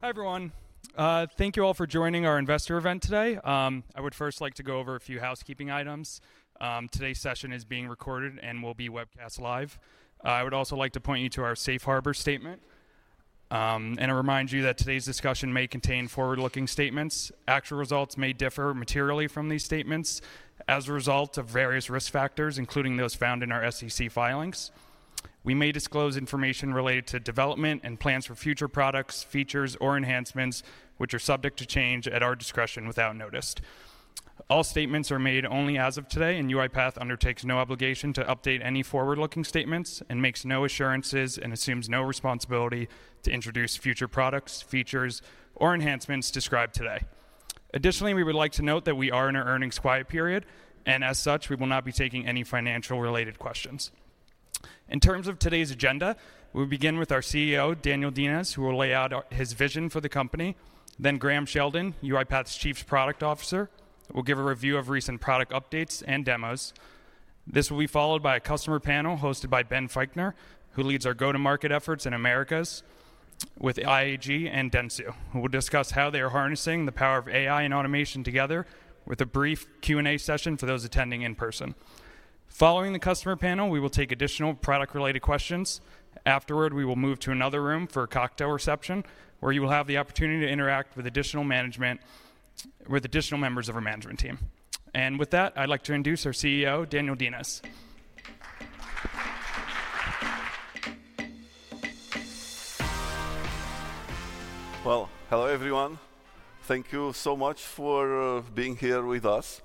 Hi, everyone. Thank you all for joining our investor event today. I would first like to go over a few housekeeping items. Today's session is being recorded and will be webcast live. I would also like to point you to our Safe Harbor Statement, and to remind you that today's discussion may contain forward-looking statements. Actual results may differ materially from these statements as a result of various risk factors, including those found in our SEC filings. We may disclose information related to development and plans for future products, features, or enhancements, which are subject to change at our discretion without notice. All statements are made only as of today, and UiPath undertakes no obligation to update any forward-looking statements and makes no assurances and assumes no responsibility to introduce future products, features, or enhancements described today. Additionally, we would like to note that we are in an earnings quiet period, and as such, we will not be taking any financial-related questions. In terms of today's agenda, we'll begin with our CEO, Daniel Dines, who will lay out our, his vision for the company. Then Graham Sheldon, UiPath's Chief Product Officer, will give a review of recent product updates and demos. This will be followed by a customer panel hosted by Ben Feichtner, who leads our go-to-market efforts in Americas with IAG and Dentsu, who will discuss how they are harnessing the power of AI and automation together with a brief Q&A session for those attending in person. Following the customer panel, we will take additional product-related questions. Afterward, we will move to another room for a cocktail reception, where you will have the opportunity to interact with additional management, with additional members of our management team. With that, I'd like to introduce our CEO, Daniel Dines. Hello, everyone. Thank you so much for being here with us.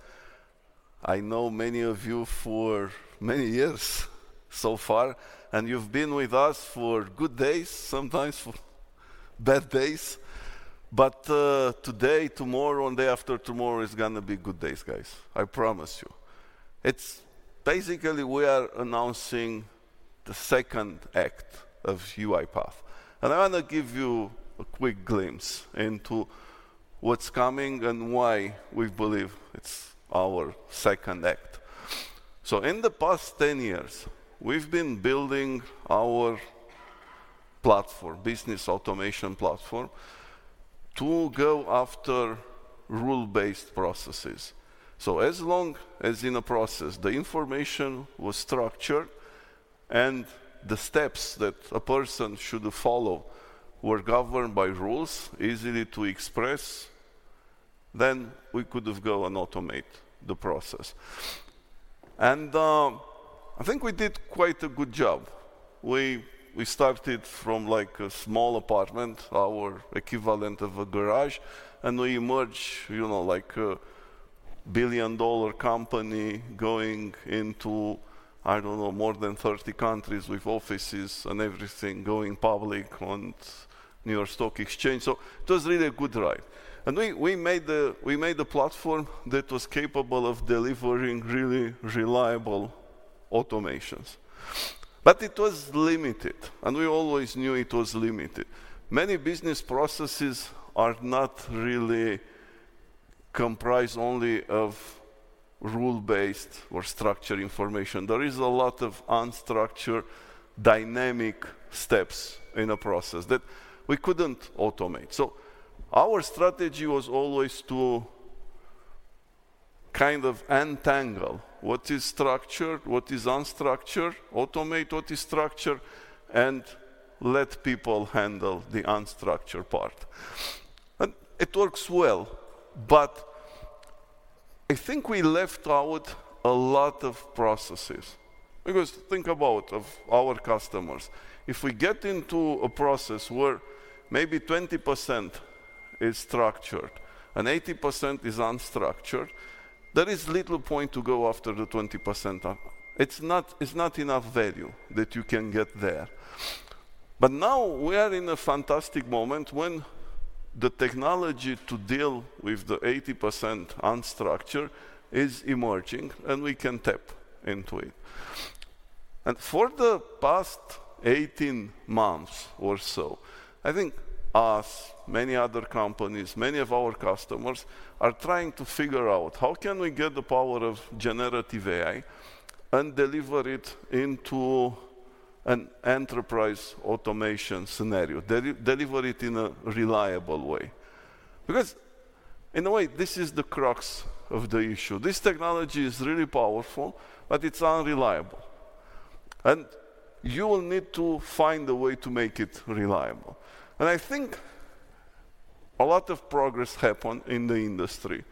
I know many of you for many years so far, and you've been with us for good days, sometimes for bad days. But today, tomorrow, and day after tomorrow is gonna be good days, guys. I promise you. It's basically we are announcing the second act of UiPath, and I want to give you a quick glimpse into what's coming and why we believe it's our second act. In the past 10 years, we've been building our platform, business automation platform, to go after rule-based processes. As long as in a process, the information was structured and the steps that a person should follow were governed by rules, easily to express, then we could go and automate the process. I think we did quite a good job. We started from like a small apartment, our equivalent of a garage, and we emerge, you know, like a billion-dollar company going into, I don't know, more than thirty countries with offices and everything, going public on New York Stock Exchange. So it was really a good ride, and we made a platform that was capable of delivering really reliable automations, but it was limited, and we always knew it was limited. Many business processes are not really comprised only of rule-based or structured information. There is a lot of unstructured, dynamic steps in a process that we couldn't automate. So our strategy was always to kind of untangle what is structured, what is unstructured, automate what is structured, and let people handle the unstructured part, and it works well, but I think we left out a lot of processes. Because think about our customers, if we get into a process where maybe 20% is structured and 80% is unstructured, there is little point to go after the 20%. It's not, it's not enough value that you can get there. But now we are in a fantastic moment when the technology to deal with the 80% unstructured is emerging, and we can tap into it. For the past 18 months or so, I think us, many other companies, many of our customers are trying to figure out, how can we get the power of generative AI and deliver it into an enterprise automation scenario, deliver it in a reliable way? Because in a way, this is the crux of the issue. This technology is really powerful, but it's unreliable, and you will need to find a way to make it reliable. I think a lot of progress happened in the industry,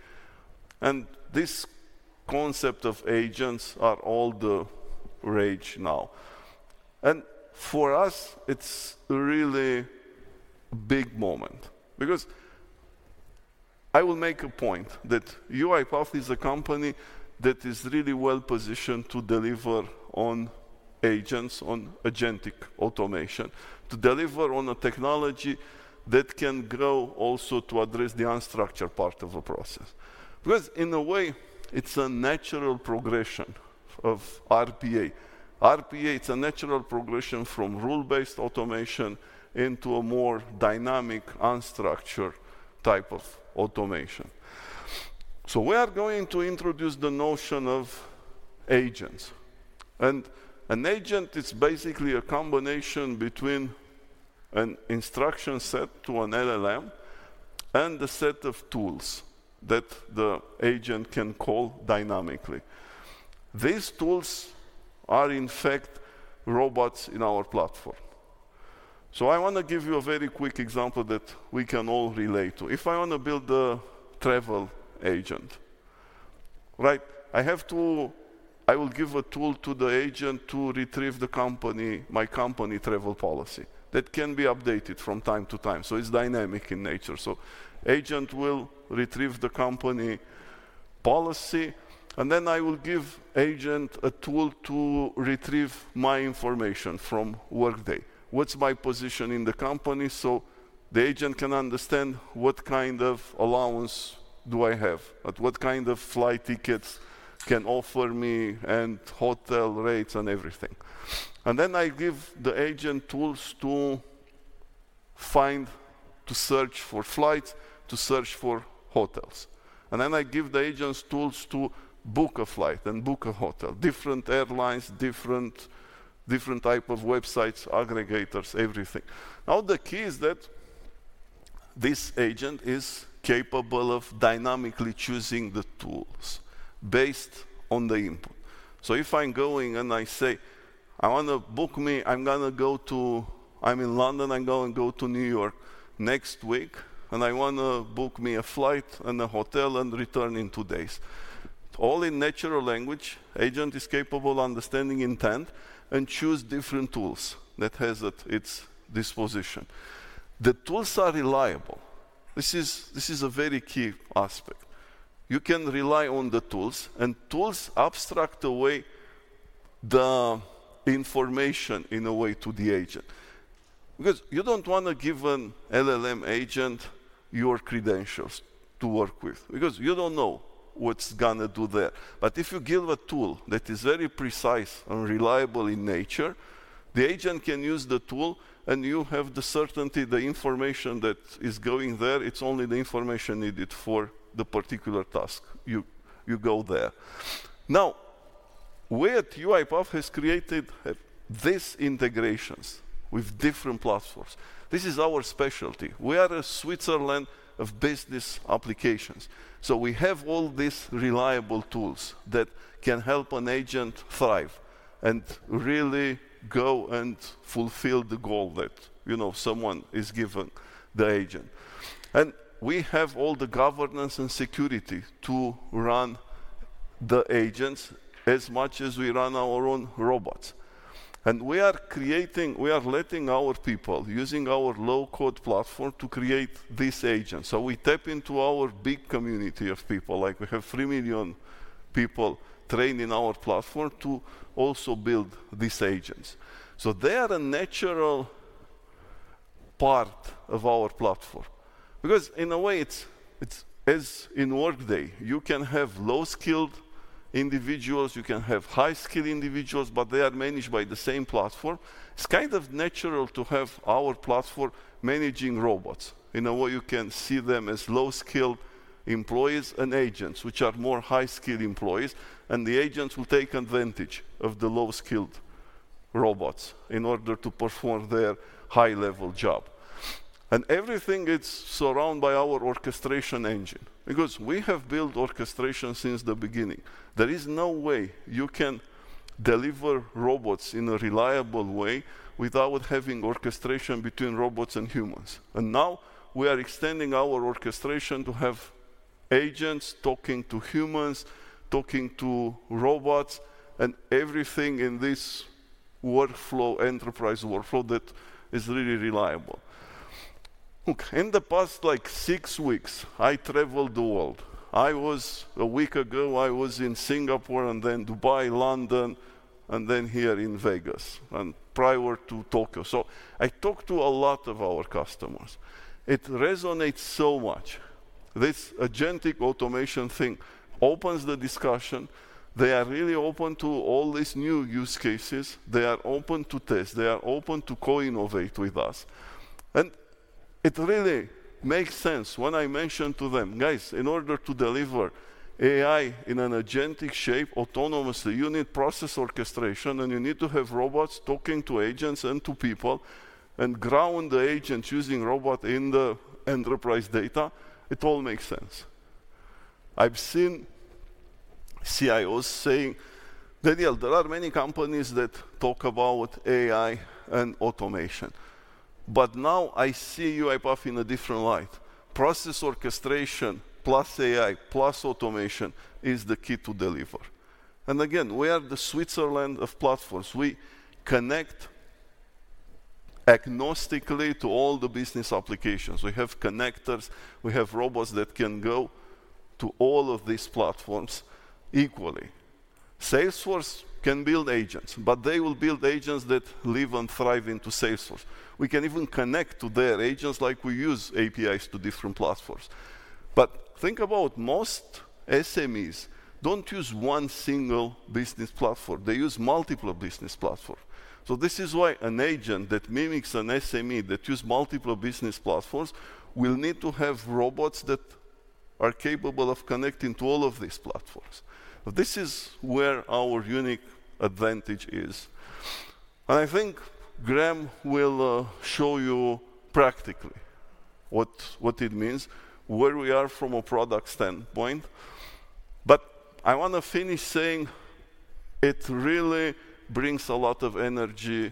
and this concept of agents are all the rage now. For us, it's a really big moment because I will make a point that UiPath is a company that is really well-positioned to deliver on agents, on agentic automation, to deliver on a technology that can grow also to address the unstructured part of a process. Because in a way, it's a natural progression of RPA. RPA, it's a natural progression from rule-based automation into a more dynamic, unstructured type of automation. We are going to introduce the notion of agents. An agent is basically a combination between an instruction set to an LLM and a set of tools that the agent can call dynamically. These tools are, in fact, robots in our platform. So I want to give you a very quick example that we can all relate to. If I want to build a travel agent, right? I have to. I will give a tool to the agent to retrieve the company, my company travel policy. That can be updated from time to time, so it's dynamic in nature. So agent will retrieve the company policy, and then I will give agent a tool to retrieve my information from Workday. What's my position in the company? So the agent can understand what kind of allowance do I have, at what kind of flight tickets can offer me, and hotel rates and everything. And then I give the agent tools to find, to search for flights, to search for hotels, and then I give the agents tools to book a flight and book a hotel. Different airlines, different type of websites, aggregators, everything. Now, the key is that this agent is capable of dynamically choosing the tools based on the input. So if I'm going and I say, "I want to book me... I'm gonna go to-- I'm in London, I'm going to go to New York next week, and I want to book me a flight and a hotel and return in two days." All in natural language, agent is capable of understanding intent and choose different tools that has at its disposition. The tools are reliable. This is a very key aspect. You can rely on the tools, and tools abstract away the information in a way to the agent. Because you don't want to give an LLM agent your credentials to work with, because you don't know what's gonna do there. But if you give a tool that is very precise and reliable in nature, the agent can use the tool, and you have the certainty, the information that is going there. It's only the information needed for the particular task you go there. Now, we at UiPath has created these integrations with different platforms. This is our specialty. We are a Switzerland of business applications. So we have all these reliable tools that can help an agent thrive and really go and fulfill the goal that, you know, someone is given the agent. And we have all the governance and security to run the agents as much as we run our own robots. And we are creating, we are letting our people, using our low-code platform, to create these agents. We tap into our big community of people, like we have three million people trained in our platform, to also build these agents. They are a natural part of our platform. Because in a way, it's as in Workday, you can have low-skilled individuals, you can have high-skilled individuals, but they are managed by the same platform. It's kind of natural to have our platform managing robots. In a way, you can see them as low-skilled employees and agents, which are more high-skilled employees, and the agents will take advantage of the low-skilled robots in order to perform their high-level job. Everything is surrounded by our orchestration engine, because we have built orchestration since the beginning. There is no way you can deliver robots in a reliable way without having orchestration between robots and humans. And now we are extending our orchestration to have agents talking to humans, talking to robots, and everything in this workflow, enterprise workflow, that is really reliable. Look, in the past, like, six weeks, I traveled the world. I was... A week ago, I was in Singapore and then Dubai, London, and then here in Vegas, and prior to Tokyo. So I talked to a lot of our customers. It resonates so much. This agentic automation thing opens the discussion. They are really open to all these new use cases. They are open to test, they are open to co-innovate with us. It really makes sense when I mention to them, "Guys, in order to deliver AI in an agentic shape, autonomously, you need process orchestration, and you need to have robots talking to agents and to people, and ground the agents using robot in the enterprise data." It all makes sense. I've seen CIOs saying, "Daniel, there are many companies that talk about AI and automation, but now I see UiPath in a different light. Process orchestration plus AI plus automation is the key to deliver." Again, we are the Switzerland of platforms. We connect agnostically to all the business applications. We have connectors, we have robots that can go to all of these platforms equally. Salesforce can build agents, but they will build agents that live and thrive into Salesforce. We can even connect to their agents like we use APIs to different platforms. But think about most SMEs don't use one single business platform. They use multiple business platform. So this is why an agent that mimics an SME, that use multiple business platforms, will need to have robots that are capable of connecting to all of these platforms. This is where our unique advantage is. And I think Graham will show you practically what it means, where we are from a product standpoint. But I want to finish saying it really brings a lot of energy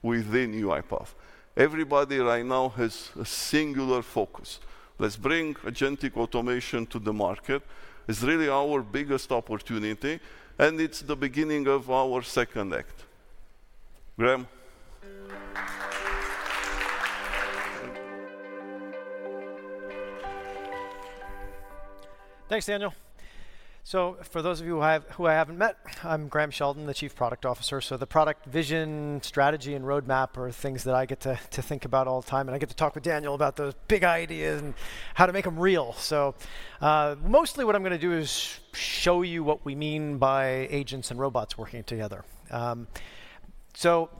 within UiPath. Everybody right now has a singular focus: let's bring agentic automation to the market. It's really our biggest opportunity, and it's the beginning of our second act. Graham? Thanks, Daniel. So for those of you who I haven't met, I'm Graham Sheldon, the Chief Product Officer. So the product vision, strategy, and roadmap are things that I get to think about all the time, and I get to talk with Daniel about those big ideas and how to make them real. So, mostly what I'm going to do is show you what we mean by agents and robots working together. So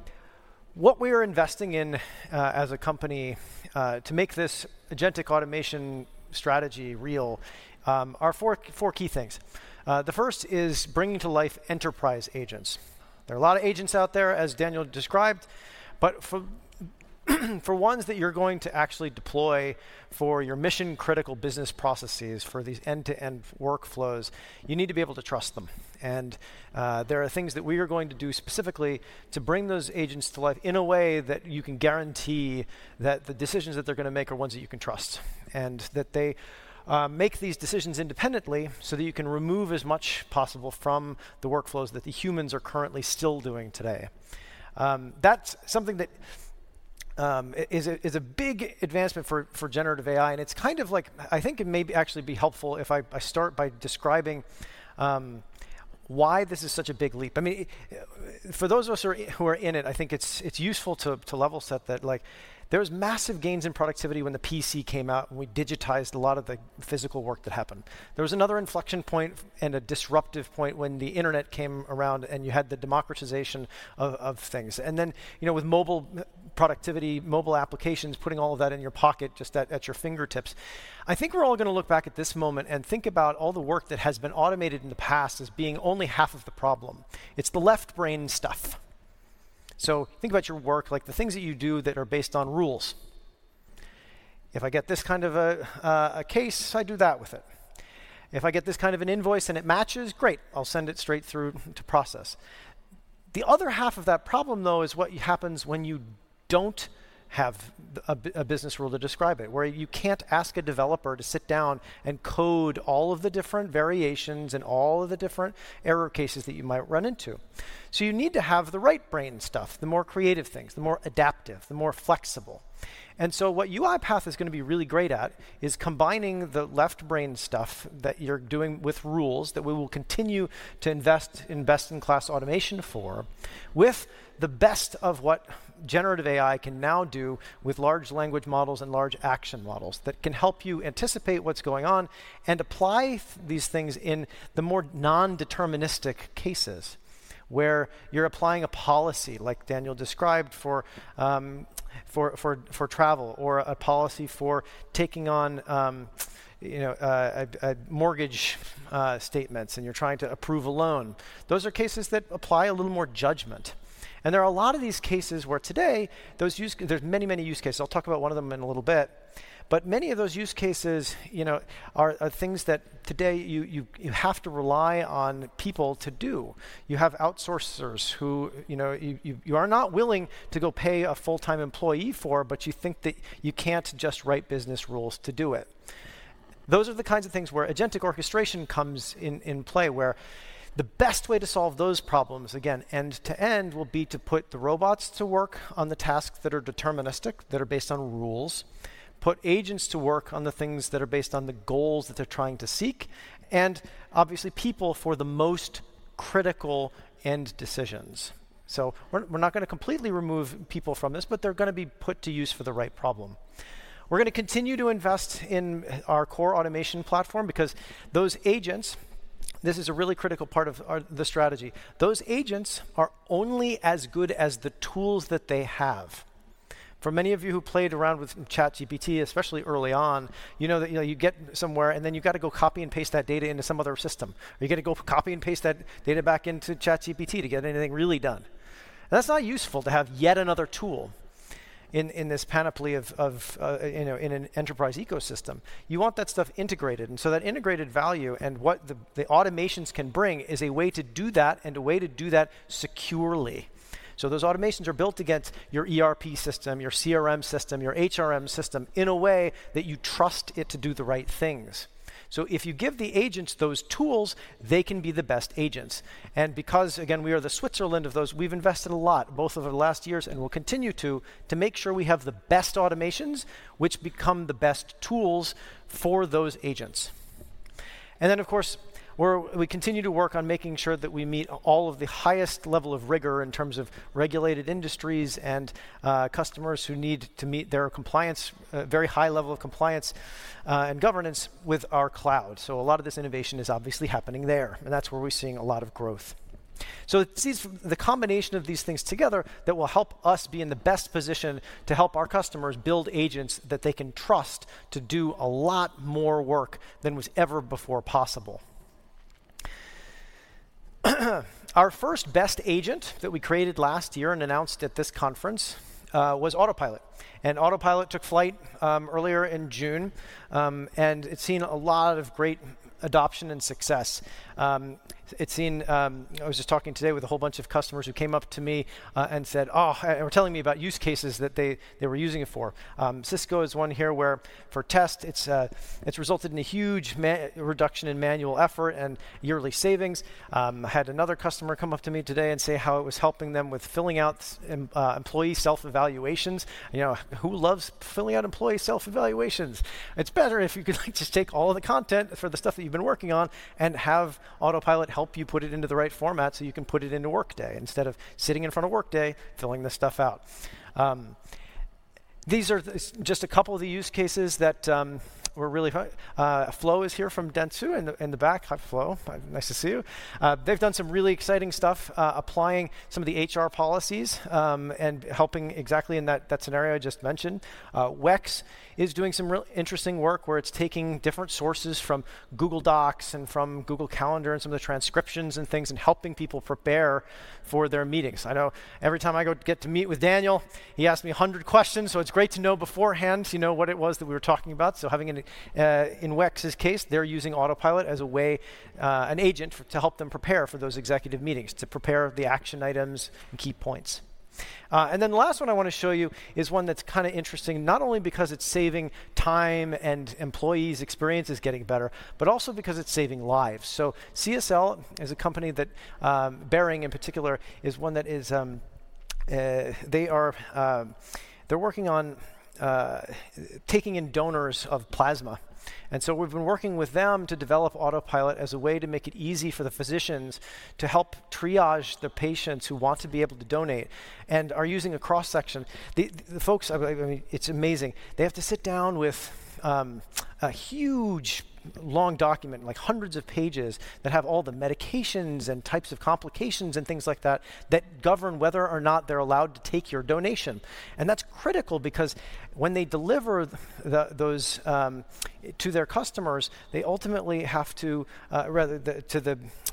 what we are investing in, as a company, to make this agentic automation strategy real, are four key things. The first is bringing to life enterprise agents. There are a lot of agents out there, as Daniel described, but for ones that you're going to actually deploy for your mission-critical business processes, for these end-to-end workflows, you need to be able to trust them. There are things that we are going to do specifically to bring those agents to life in a way that you can guarantee that the decisions that they're going to make are ones that you can trust, and that they make these decisions independently so that you can remove as much possible from the workflows that the humans are currently still doing today. That's something that is a big advancement for generative AI, and it's kind of like... I think it may actually be helpful if I start by describing why this is such a big leap. I mean, for those of us who are in it, I think it's useful to level set that, like, there was massive gains in productivity when the PC came out, and we digitized a lot of the physical work that happened. There was another inflection point and a disruptive point when the internet came around, and you had the democratization of things, and then, you know, with mobile productivity, mobile applications, putting all of that in your pocket, just at your fingertips. I think we're all going to look back at this moment and think about all the work that has been automated in the past as being only half of the problem. It's the left brain stuff, so think about your work, like the things that you do that are based on rules. If I get this kind of a case, I do that with it. If I get this kind of an invoice and it matches, great, I'll send it straight through to process. The other half of that problem, though, is what happens when you don't have a business rule to describe it, where you can't ask a developer to sit down and code all of the different variations and all of the different error cases that you might run into. So you need to have the right brain stuff, the more creative things, the more adaptive, the more flexible. What UiPath is going to be really great at is combining the left brain stuff that you're doing with rules that we will continue to invest in best-in-class automation for, with the best of what generative AI can now do with large language models and large action models that can help you anticipate what's going on and apply these things in the more non-deterministic cases, where you're applying a policy, like Daniel described, for travel, or a policy for taking on, you know, a mortgage statements, and you're trying to approve a loan. Those are cases that apply a little more judgment. There are a lot of these cases where today, there's many, many use cases. I'll talk about one of them in a little bit. But many of those use cases, you know, are things that today you have to rely on people to do. You have outsourcers who, you know, you are not willing to go pay a full-time employee for, but you think that you can't just write business rules to do it. Those are the kinds of things where agentic orchestration comes in play, where the best way to solve those problems, again, end-to-end, will be to put the robots to work on the tasks that are deterministic, that are based on rules. Put agents to work on the things that are based on the goals that they're trying to seek, and obviously, people for the most critical end decisions, so we're not going to completely remove people from this, but they're going to be put to use for the right problem. We're going to continue to invest in our core automation platform because those agents, this is a really critical part of the strategy. Those agents are only as good as the tools that they have. For many of you who played around with ChatGPT, especially early on, you know that, you know, you get somewhere, and then you've got to go copy and paste that data into some other system, or you got to go copy and paste that data back into ChatGPT to get anything really done. That's not useful to have yet another tool in this panoply of you know, in an enterprise ecosystem. You want that stuff integrated, and so that integrated value and what the automations can bring is a way to do that and a way to do that securely. So those automations are built against your ERP system, your CRM system, your HRM system in a way that you trust it to do the right things. So if you give the agents those tools, they can be the best agents. And because, again, we are the Switzerland of those, we've invested a lot, both over the last years and will continue to make sure we have the best automations, which become the best tools for those agents. And then, of course, we continue to work on making sure that we meet all of the highest level of rigor in terms of regulated industries and customers who need to meet their compliance, very high level of compliance, and governance with our cloud. So a lot of this innovation is obviously happening there, and that's where we're seeing a lot of growth. So it's these, the combination of these things together that will help us be in the best position to help our customers build agents that they can trust to do a lot more work than was ever before possible. Our first best agent that we created last year and announced at this conference was Autopilot. And Autopilot took flight earlier in June, and it's seen a lot of great adoption and success. I was just talking today with a whole bunch of customers who came up to me and said, "Oh," and were telling me about use cases that they were using it for. Cisco is one here where for testing it's resulted in a huge reduction in manual effort and yearly savings. I had another customer come up to me today and say how it was helping them with filling out employee self-evaluations. You know, who loves filling out employee self-evaluations? It's better if you can, like, just take all of the content for the stuff that you've been working on and have Autopilot help you put it into the right format, so you can put it into Workday, instead of sitting in front of Workday, filling this stuff out. These are just a couple of the use cases that were really. Flo is here from Dentsu in the back. Hi, Flo. Nice to see you. They've done some really exciting stuff, applying some of the HR policies, and helping exactly in that scenario I just mentioned. WEX is doing some real interesting work, where it's taking different sources from Google Docs and from Google Calendar and some of the transcriptions and things, and helping people prepare for their meetings. I know every time I go get to meet with Daniel, he asks me a hundred questions, so it's great to know beforehand, you know, what it was that we were talking about. So having an in WEX's case, they're using Autopilot as a way, an agent for, to help them prepare for those executive meetings, to prepare the action items and key points. And then the last one I wanna show you is one that's kinda interesting, not only because it's saving time and employees' experience is getting better, but also because it's saving lives. So CSL is a company that, Behring in particular, is one that is, they are, they're working on, taking in donors of plasma. And so we've been working with them to develop Autopilot as a way to make it easy for the physicians to help triage the patients who want to be able to donate and are using a cross-section. The folks, I mean, it's amazing. They have to sit down with a huge, long document, like hundreds of pages, that have all the medications and types of complications and things like that, that govern whether or not they're allowed to take your donation. And that's critical because when they deliver those to their customers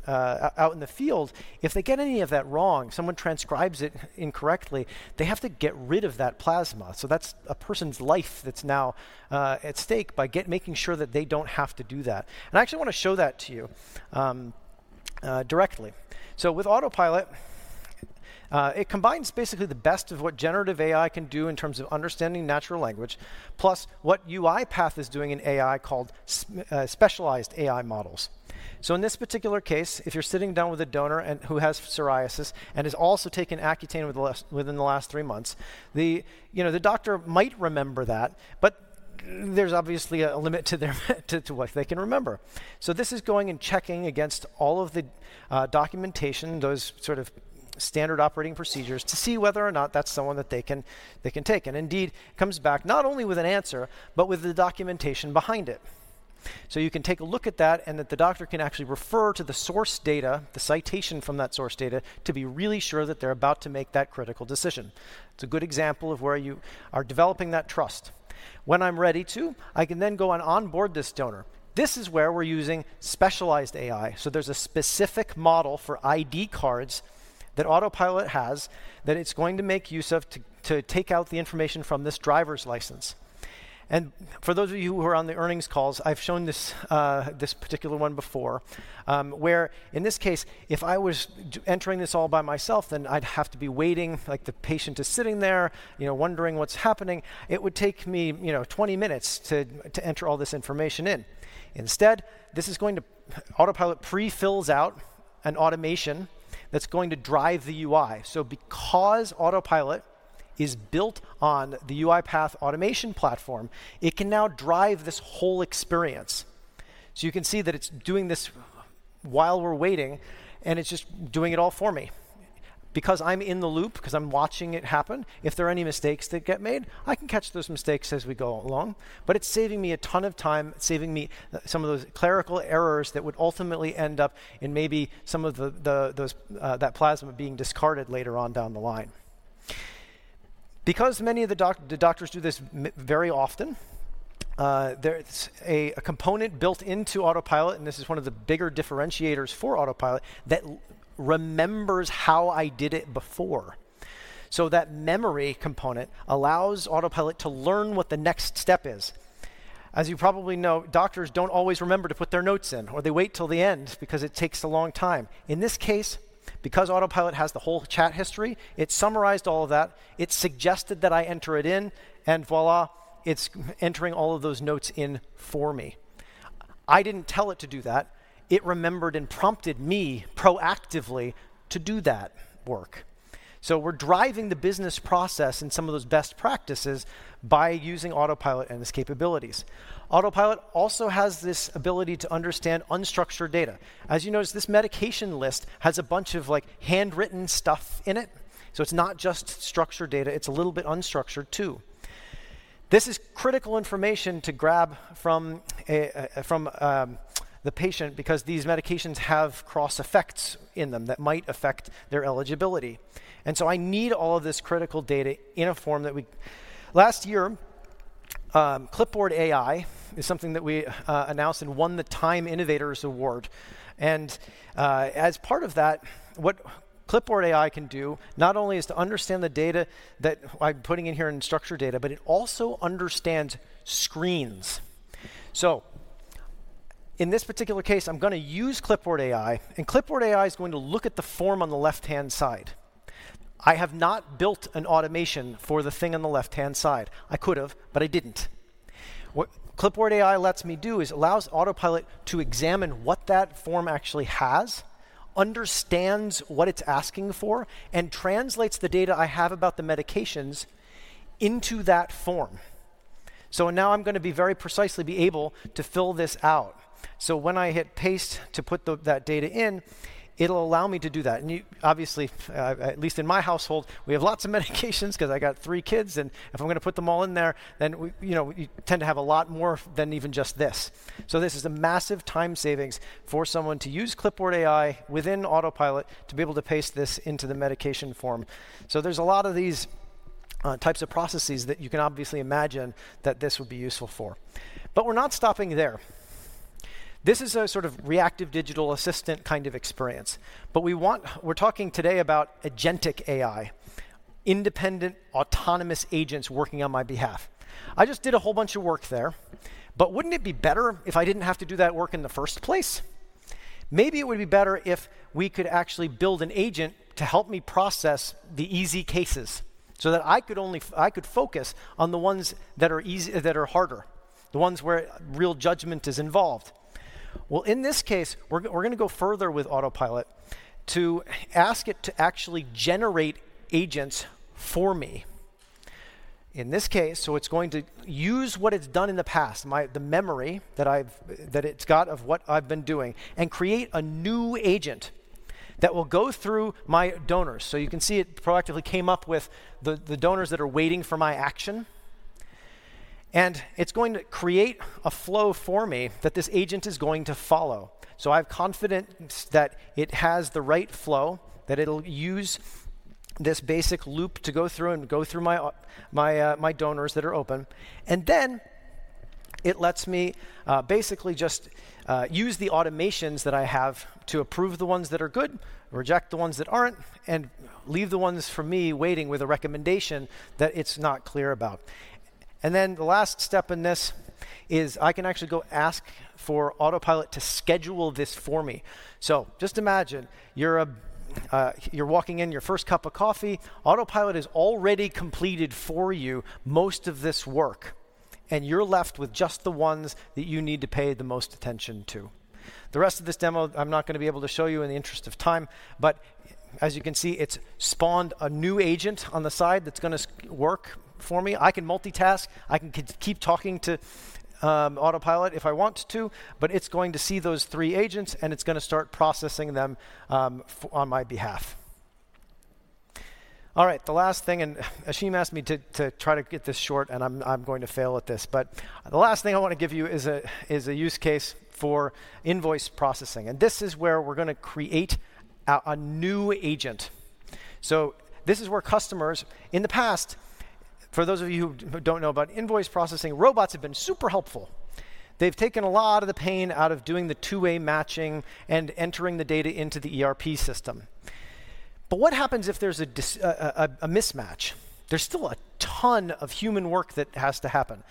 out in the field, if they get any of that wrong, someone transcribes it incorrectly, they have to get rid of that plasma. So that's a person's life that's now at stake by making sure that they don't have to do that. And I actually wanna show that to you directly. So with Autopilot, it combines basically the best of what generative AI can do in terms of understanding natural language, plus what UiPath is doing in AI, called specialized AI models. So in this particular case, if you're sitting down with a donor and who has psoriasis and has also taken Accutane within the last three months, you know, the doctor might remember that, but there's obviously a limit to what they can remember. So this is going and checking against all of the documentation, those sort of standard operating procedures, to see whether or not that's someone that they can take, and indeed comes back not only with an answer, but with the documentation behind it. So you can take a look at that, and that the doctor can actually refer to the source data, the citation from that source data, to be really sure that they're about to make that critical decision. It's a good example of where you are developing that trust. When I'm ready to, I can then go and onboard this donor. This is where we're using specialized AI. So there's a specific model for ID cards that Autopilot has, that it's going to make use of to take out the information from this driver's license. And for those of you who are on the earnings calls, I've shown this particular one before, where in this case, if I was entering this all by myself, then I'd have to be waiting, like the patient is sitting there, you know, wondering what's happening. It would take me, you know, 20 minutes to enter all this information in. Instead, this is going to. Autopilot pre-fills out an automation that's going to drive the UI. So because Autopilot is built on the UiPath Automation platform, it can now drive this whole experience. So you can see that it's doing this while we're waiting, and it's just doing it all for me. Because I'm in the loop, because I'm watching it happen, if there are any mistakes that get made, I can catch those mistakes as we go along. But it's saving me a ton of time, saving me some of those clerical errors that would ultimately end up in maybe some of those that plasma being discarded later on down the line. Because many of the doctors do this very often, there's a component built into Autopilot, and this is one of the bigger differentiators for Autopilot, that remembers how I did it before. So that memory component allows Autopilot to learn what the next step is. As you probably know, doctors don't always remember to put their notes in, or they wait till the end because it takes a long time. In this case, because Autopilot has the whole chat history, it summarized all of that. It suggested that I enter it in, and voila, it's entering all of those notes in for me. I didn't tell it to do that. It remembered and prompted me proactively to do that work. So we're driving the business process and some of those best practices by using Autopilot and its capabilities. Autopilot also has this ability to understand unstructured data. As you notice, this medication list has a bunch of, like, handwritten stuff in it. So it's not just structured data, it's a little bit unstructured, too. This is critical information to grab from the patient, because these medications have cross effects in them that might affect their eligibility, and so I need all of this critical data in a form that we. Last year, Clipboard AI is something that we announced and won the TIME Innovators award, and as part of that, what Clipboard AI can do, not only is to understand the data that I'm putting in here in structured data, but it also understands screens, so in this particular case, I'm gonna use Clipboard AI, and Clipboard AI is going to look at the form on the left-hand side. I have not built an automation for the thing on the left-hand side. I could have, but I didn't. What Clipboard AI lets me do is allows Autopilot to examine what that form actually has, understands what it's asking for, and translates the data I have about the medications into that form. So now I'm gonna be very precisely be able to fill this out. So when I hit paste to put the, that data in, it'll allow me to do that. And you obviously, at least in my household, we have lots of medications 'cause I got three kids, and if I'm gonna put them all in there, then we, you know, you tend to have a lot more than even just this. So this is a massive time savings for someone to use Clipboard AI within Autopilot to be able to paste this into the medication form. There's a lot of these types of processes that you can obviously imagine that this would be useful for, but we're not stopping there. This is a sort of reactive digital assistant kind of experience, but we're talking today about agentic AI, independent, autonomous agents working on my behalf. I just did a whole bunch of work there, but wouldn't it be better if I didn't have to do that work in the first place? Maybe it would be better if we could actually build an agent to help me process the easy cases, so that I could focus on the ones that are harder, the ones where real judgment is involved. In this case, we're gonna go further with Autopilot to ask it to actually generate agents for me. In this case, so it's going to use what it's done in the past, my, the memory that it's got of what I've been doing, and create a new agent that will go through my donors. So you can see it proactively came up with the donors that are waiting for my action, and it's going to create a flow for me that this agent is going to follow. So I've confidence that it has the right flow, that it'll use this basic loop to go through my donors that are open. And then, it lets me basically just use the automations that I have to approve the ones that are good, reject the ones that aren't, and leave the ones for me, waiting with a recommendation that it's not clear about. And then, the last step in this is I can actually go ask for Autopilot to schedule this for me. So just imagine, you're a, you're walking in, your first cup of coffee. Autopilot is already completed for you most of this work, and you're left with just the ones that you need to pay the most attention to. The rest of this demo, I'm not gonna be able to show you in the interest of time, but as you can see, it's spawned a new agent on the side that's gonna work for me. I can multitask. I can keep talking to Autopilot if I want to, but it's going to see those three agents, and it's gonna start processing them on my behalf. All right, the last thing, and Ashim asked me to try to get this short, and I'm going to fail at this. But the last thing I want to give you is a use case for invoice processing, and this is where we're gonna create a new agent. So this is where customers, in the past, for those of you who don't know about invoice processing, robots have been super helpful. They've taken a lot of the pain out of doing the two-way matching and entering the data into the ERP system. But what happens if there's a mismatch? There's still a ton of human work that has to happen.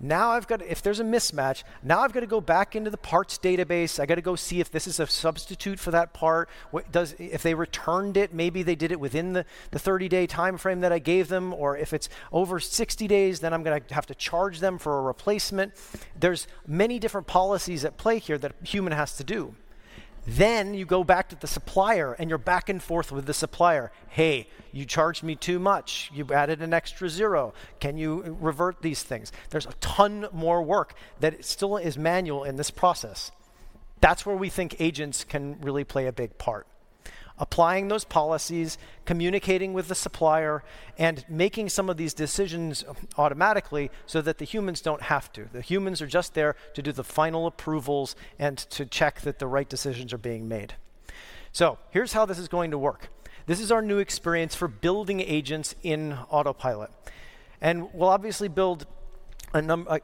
Now, I've got... If there's a mismatch, now I've got to go back into the parts database. I gotta go see if this is a substitute for that part. If they returned it, maybe they did it within the thirty-day timeframe that I gave them, or if it's over sixty days, then I'm gonna have to charge them for a replacement. There's many different policies at play here that a human has to do. Then you go back to the supplier, and you're back and forth with the supplier. "Hey, you charged me too much. You've added an extra zero. Can you revert these things?" There's a ton more work that still is manual in this process. That's where we think agents can really play a big part. Applying those policies, communicating with the supplier, and making some of these decisions automatically so that the humans don't have to. The humans are just there to do the final approvals and to check that the right decisions are being made. So here's how this is going to work. This is our new experience for building agents in Autopilot, and we'll obviously build.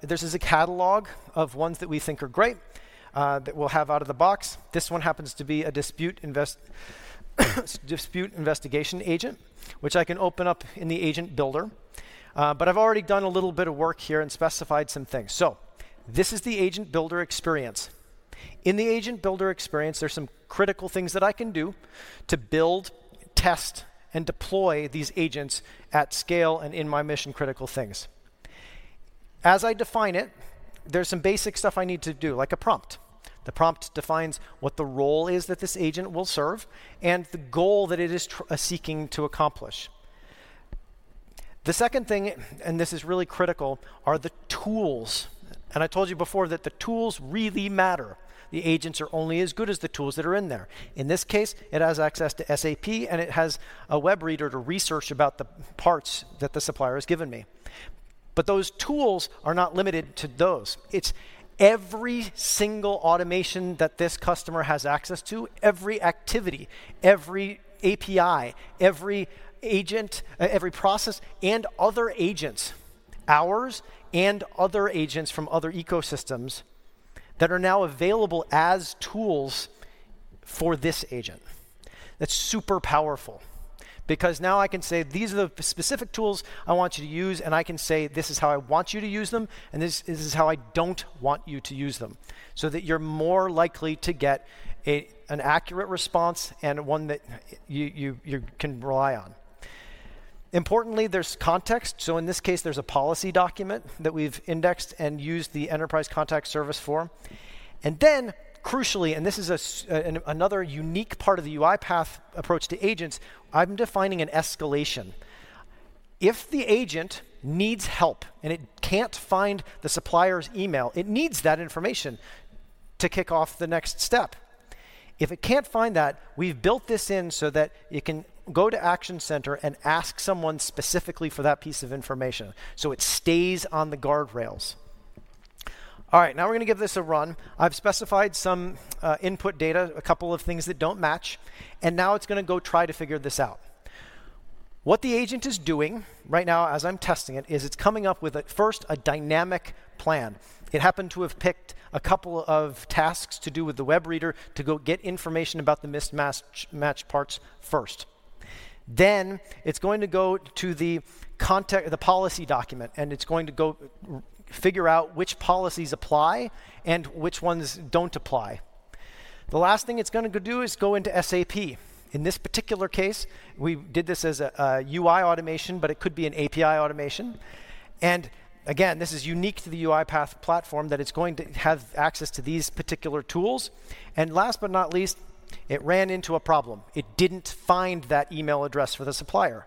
This is a catalog of ones that we think are great, that we'll have out of the box. This one happens to be a dispute investigation agent, which I can open up in the Agent Builder. But I've already done a little bit of work here and specified some things. So this is the Agent Builder experience. In the Agent Builder experience, there's some critical things that I can do to build, test, and deploy these agents at scale and in my mission-critical things. As I define it, there's some basic stuff I need to do, like a prompt. The prompt defines what the role is that this agent will serve and the goal that it is seeking to accomplish. The second thing, and this is really critical, are the tools. And I told you before that the tools really matter. The agents are only as good as the tools that are in there. In this case, it has access to SAP, and it has a web reader to research about the parts that the supplier has given me. But those tools are not limited to those. It's every single automation that this customer has access to, every activity, every API, every agent, every process, and other agents, ours, and other agents from other ecosystems, that are now available as tools for this agent. That's super powerful, because now I can say, "These are the specific tools I want you to use," and I can say, "This is how I want you to use them, and this, this is how I don't want you to use them," so that you're more likely to get an accurate response and one that you can rely on. Importantly, there's context. So in this case, there's a policy document that we've indexed and used the enterprise context service form. And then, crucially, and this is another unique part of the UiPath approach to agents, I'm defining an escalation. If the agent needs help, and it can't find the supplier's email, it needs that information to kick off the next step. If it can't find that, we've built this in so that it can go to Action Center and ask someone specifically for that piece of information, so it stays on the guardrails. All right, now we're gonna give this a run. I've specified some input data, a couple of things that don't match, and now it's gonna go try to figure this out. What the agent is doing right now, as I'm testing it, is it's coming up with a first, a dynamic plan. It happened to have picked a couple of tasks to do with the web reader to go get information about the mismatched, matched parts first. Then, it's going to go to the context, the policy document, and it's going to figure out which policies apply and which ones don't apply. The last thing it's gonna go do is go into SAP. In this particular case, we did this as a UI automation, but it could be an API automation. And again, this is unique to the UiPath platform, that it's going to have access to these particular tools. And last but not least, it ran into a problem. It didn't find that email address for the supplier.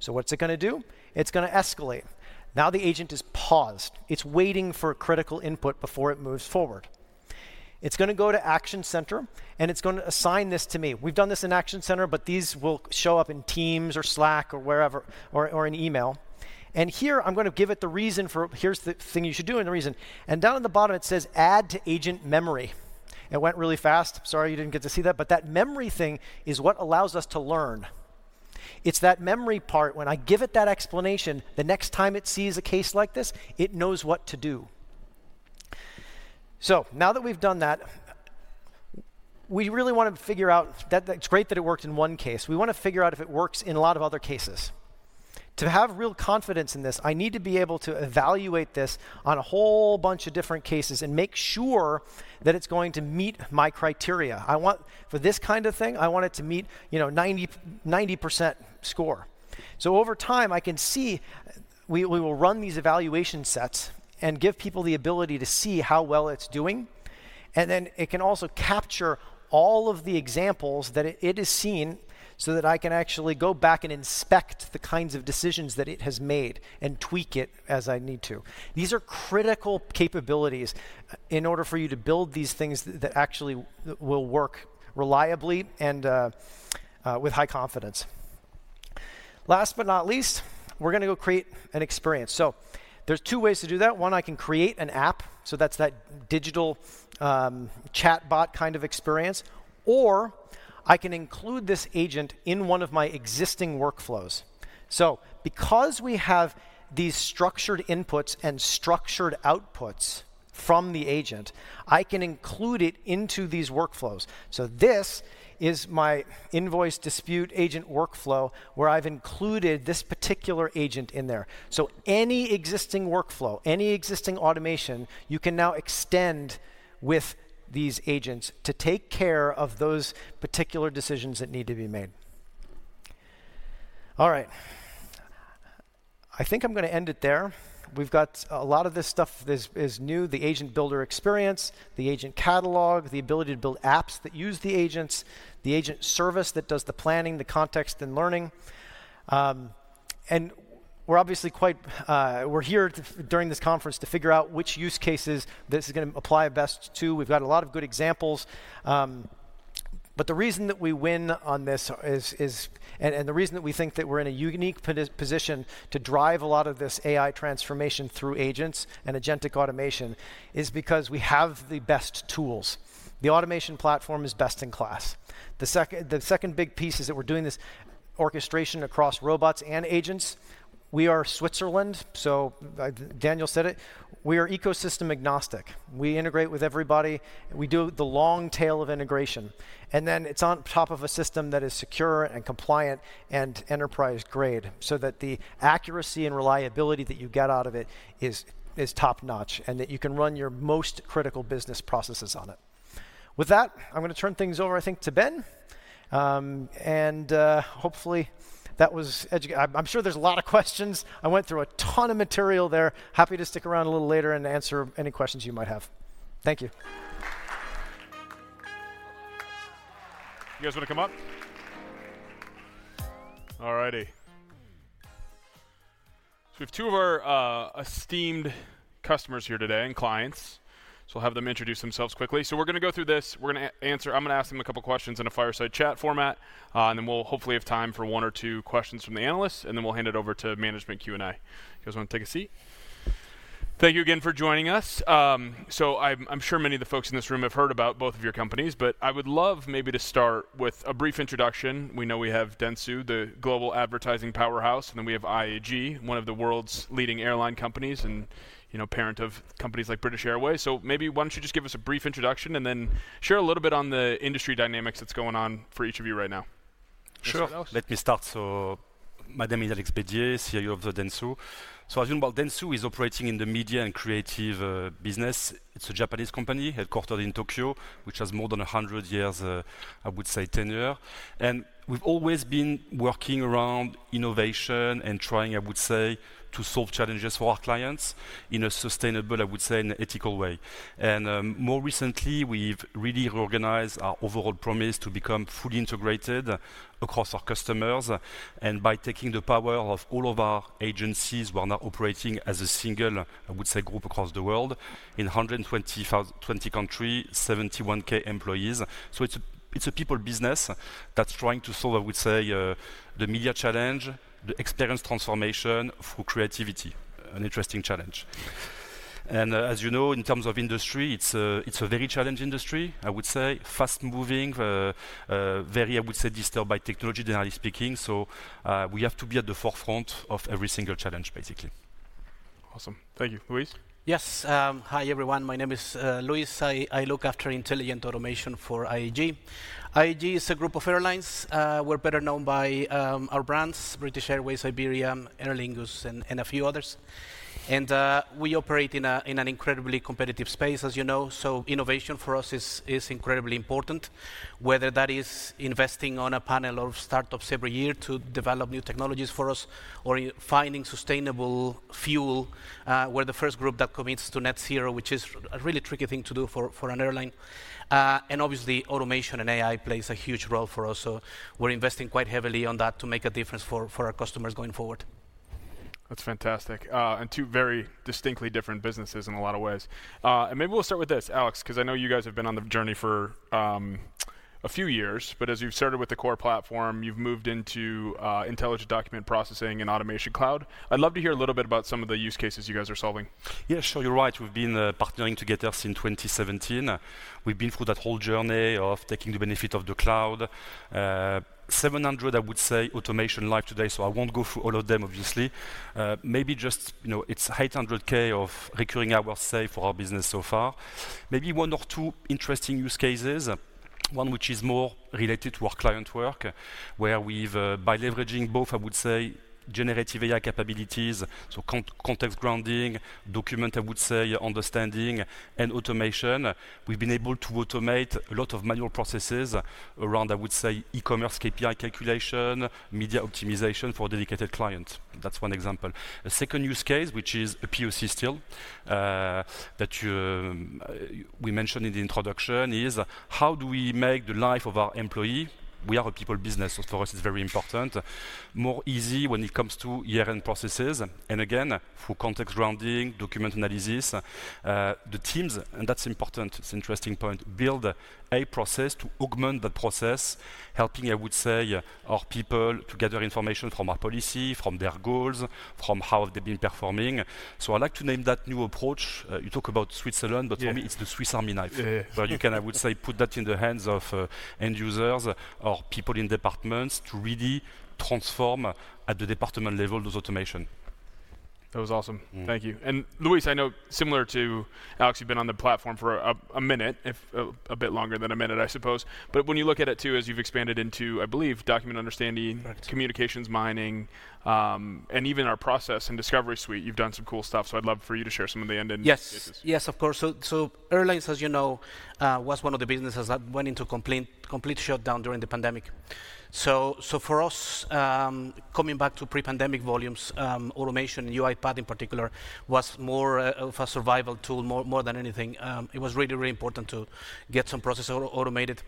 So what's it gonna do? It's gonna escalate. Now, the agent is paused. It's waiting for critical input before it moves forward. It's gonna go to Action Center, and it's gonna assign this to me. We've done this in Action Center, but these will show up in Teams or Slack or wherever or in email, and here I'm gonna give it the reason for, "Here's the thing you should do," and the reason. And down at the bottom, it says, "Add to agent memory." It went really fast. Sorry you didn't get to see that, but that memory thing is what allows us to learn. It's that memory part, when I give it that explanation, the next time it sees a case like this, it knows what to do. So now that we've done that, we really want to figure out... That, that's great that it worked in one case. We want to figure out if it works in a lot of other cases. To have real confidence in this, I need to be able to evaluate this on a whole bunch of different cases and make sure that it's going to meet my criteria. I want, for this kind of thing, I want it to meet, you know, 90, 90% score. So over time, I can see we will run these evaluation sets and give people the ability to see how well it's doing, and then it can also capture all of the examples that it has seen so that I can actually go back and inspect the kinds of decisions that it has made and tweak it as I need to. These are critical capabilities in order for you to build these things that actually will work reliably and with high confidence. Last but not least, we're gonna go create an experience. So there's two ways to do that. One, I can create an app, so that's that digital chatbot kind of experience, or I can include this agent in one of my existing workflows. Because we have these structured inputs and structured outputs from the agent, I can include it into these workflows. This is my invoice dispute agent workflow, where I've included this particular agent in there. Any existing workflow, any existing automation, you can now extend with these agents to take care of those particular decisions that need to be made. All right. I think I'm gonna end it there. We've got a lot of this stuff is new, the Agent Builder Experience, the Agent Catalog, the ability to build apps that use the agents, the agent service that does the planning, the context, and learning. And we're obviously quite, we're here to, during this conference to figure out which use cases this is gonna apply best to. We've got a lot of good examples, but the reason that we win on this is, and the reason that we think that we're in a unique position to drive a lot of this AI transformation through agents and agentic automation, is because we have the best tools. The automation platform is best in class. The second big piece is that we're doing this orchestration across robots and agents. We are Switzerland, so Daniel said it. We are ecosystem agnostic. We integrate with everybody. We do the long tail of integration, and then it's on top of a system that is secure and compliant and enterprise grade, so that the accuracy and reliability that you get out of it is top-notch, and that you can run your most critical business processes on it. With that, I'm gonna turn things over, I think, to Ben. Hopefully, that was educational. I'm sure there's a lot of questions. I went through a ton of material there. Happy to stick around a little later and answer any questions you might have. Thank you.... You guys wanna come up? All righty. So we have two of our esteemed customers here today, and clients. So we'll have them introduce themselves quickly. So we're gonna go through this. We're gonna answer. I'm gonna ask them a couple questions in a fireside chat format, and then we'll hopefully have time for one or two questions from the analysts, and then we'll hand it over to management Q&A. You guys wanna take a seat? Thank you again for joining us. So I'm sure many of the folks in this room have heard about both of your companies, but I would love maybe to start with a brief introduction. We know we have Dentsu, the global advertising powerhouse, and then we have IAG, one of the world's leading airline companies, and, you know, parent of companies like British Airways. Maybe why don't you just give us a brief introduction, and then share a little bit on the industry dynamics that's going on for each of you right now. Sure. Alex, go. Let me start. My name is Alex Bédier, CEO of Dentsu. As you know, Dentsu is operating in the media and creative business. It's a Japanese company, headquartered in Tokyo, which has more than 100 years tenure. We've always been working around innovation and trying, I would say, to solve challenges for our clients in a sustainable, I would say, and ethical way. More recently, we've really reorganized our overall promise to become fully integrated across our customers, and by taking the power of all of our agencies, we are now operating as a single, I would say, group across the world, in 20 countries, 71,000 employees. It's a people business that's trying to solve, I would say, the media challenge, the experience transformation through creativity. An interesting challenge. And as you know, in terms of industry, it's a very challenged industry, I would say. Fast-moving, very, I would say, disturbed by technology, generally speaking, so, we have to be at the forefront of every single challenge, basically. Awesome. Thank you. Luis? Yes, hi, everyone. My name is Luis. I look after intelligent automation for IAG. IAG is a group of airlines. We're better known by our brands, British Airways, Iberia, Aer Lingus, and a few others. And we operate in an incredibly competitive space, as you know, so innovation for us is incredibly important, whether that is investing on a panel of startups every year to develop new technologies for us or finding sustainable fuel. We're the first group that commits to net zero, which is a really tricky thing to do for an airline. And obviously, automation and AI plays a huge role for us, so we're investing quite heavily on that to make a difference for our customers going forward. That's fantastic, and two very distinctly different businesses in a lot of ways. Maybe we'll start with this, Alex, 'cause I know you guys have been on the journey for a few years, but as you've started with the core platform, you've moved into intelligent document processing and Automation Cloud. I'd love to hear a little bit about some of the use cases you guys are solving. Yeah, sure. You're right. We've been partnering together since 2017. We've been through that whole journey of taking the benefit of the cloud. 700, I would say, automation live today, so I won't go through all of them, obviously. Maybe just, you know, it's 800K of recurring hours, say, for our business so far. Maybe one or two interesting use cases, one which is more related to our client work, where we've by leveraging both, I would say, generative AI capabilities, so context grounding, document, I would say, understanding, and automation, we've been able to automate a lot of manual processes around, I would say, e-commerce, KPI calculation, media optimization for a dedicated client. That's one example. A second use case, which is a POC still, that we mentioned in the introduction, is: how do we make the life of our employee? We are a people business, so for us, it's very important, more easy when it comes to year-end processes, and again, through context grounding, document analysis, Teams, and that's important, it's an interesting point, build a process to augment the process, helping, I would say, our people to gather information from our policy, from their goals, from how they've been performing. So I like to name that new approach... you talk about Switzerland- Yeah. But for me, it's the Swiss Army knife. Yeah. But you can, I would say, put that in the hands of end users or people in departments to really transform at the department level, those automation. That was awesome. Mm. Thank you. And, Luis, I know similar to Alex, you've been on the platform for a minute, if a bit longer than a minute, I suppose. But when you look at it, too, as you've expanded into, I believe, Document Understanding- Right. Communications Mining, and even our process and discovery suite, you've done some cool stuff, so I'd love for you to share some of the end-to-end use cases. Yes. Yes, of course. So airlines, as you know, was one of the businesses that went into complete shutdown during the pandemic. So for us, coming back to pre-pandemic volumes, automation, UiPath, in particular, was more of a survival tool more than anything. It was really important to get some processes automated.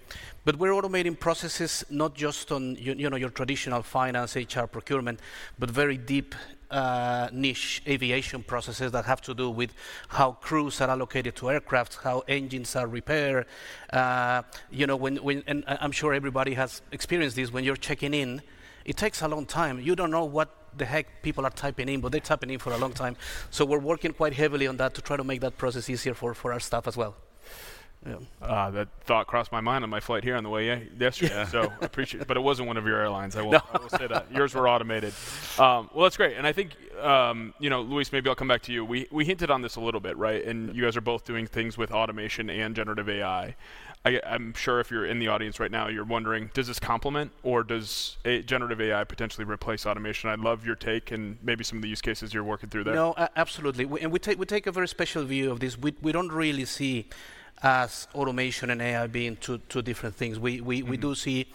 But we're automating processes not just on you know, your traditional finance, HR, procurement, but very deep niche aviation processes that have to do with how crews are allocated to aircraft, how engines are repaired. You know, when... And I'm sure everybody has experienced this: when you're checking in, it takes a long time. You don't know what the heck people are typing in, but they're typing in for a long time. So we're working quite heavily on that to try to make that process easier for, for our staff as well. Yeah. That thought crossed my mind on my flight here on the way in yesterday. Yeah. So I appreciate it, but it wasn't one of your airlines. No. I will say that. Yours were automated. Well, that's great, and I think you know, Luis, maybe I'll come back to you. We hinted on this a little bit, right? You guys are both doing things with automation and generative AI. I'm sure if you're in the audience right now, you're wondering, does this complement or does a generative AI potentially replace automation? I'd love your take and maybe some of the use cases you're working through there. No, absolutely. We take a very special view of this. We don't really see automation and AI as being two different things. We- Mm-hmm We do see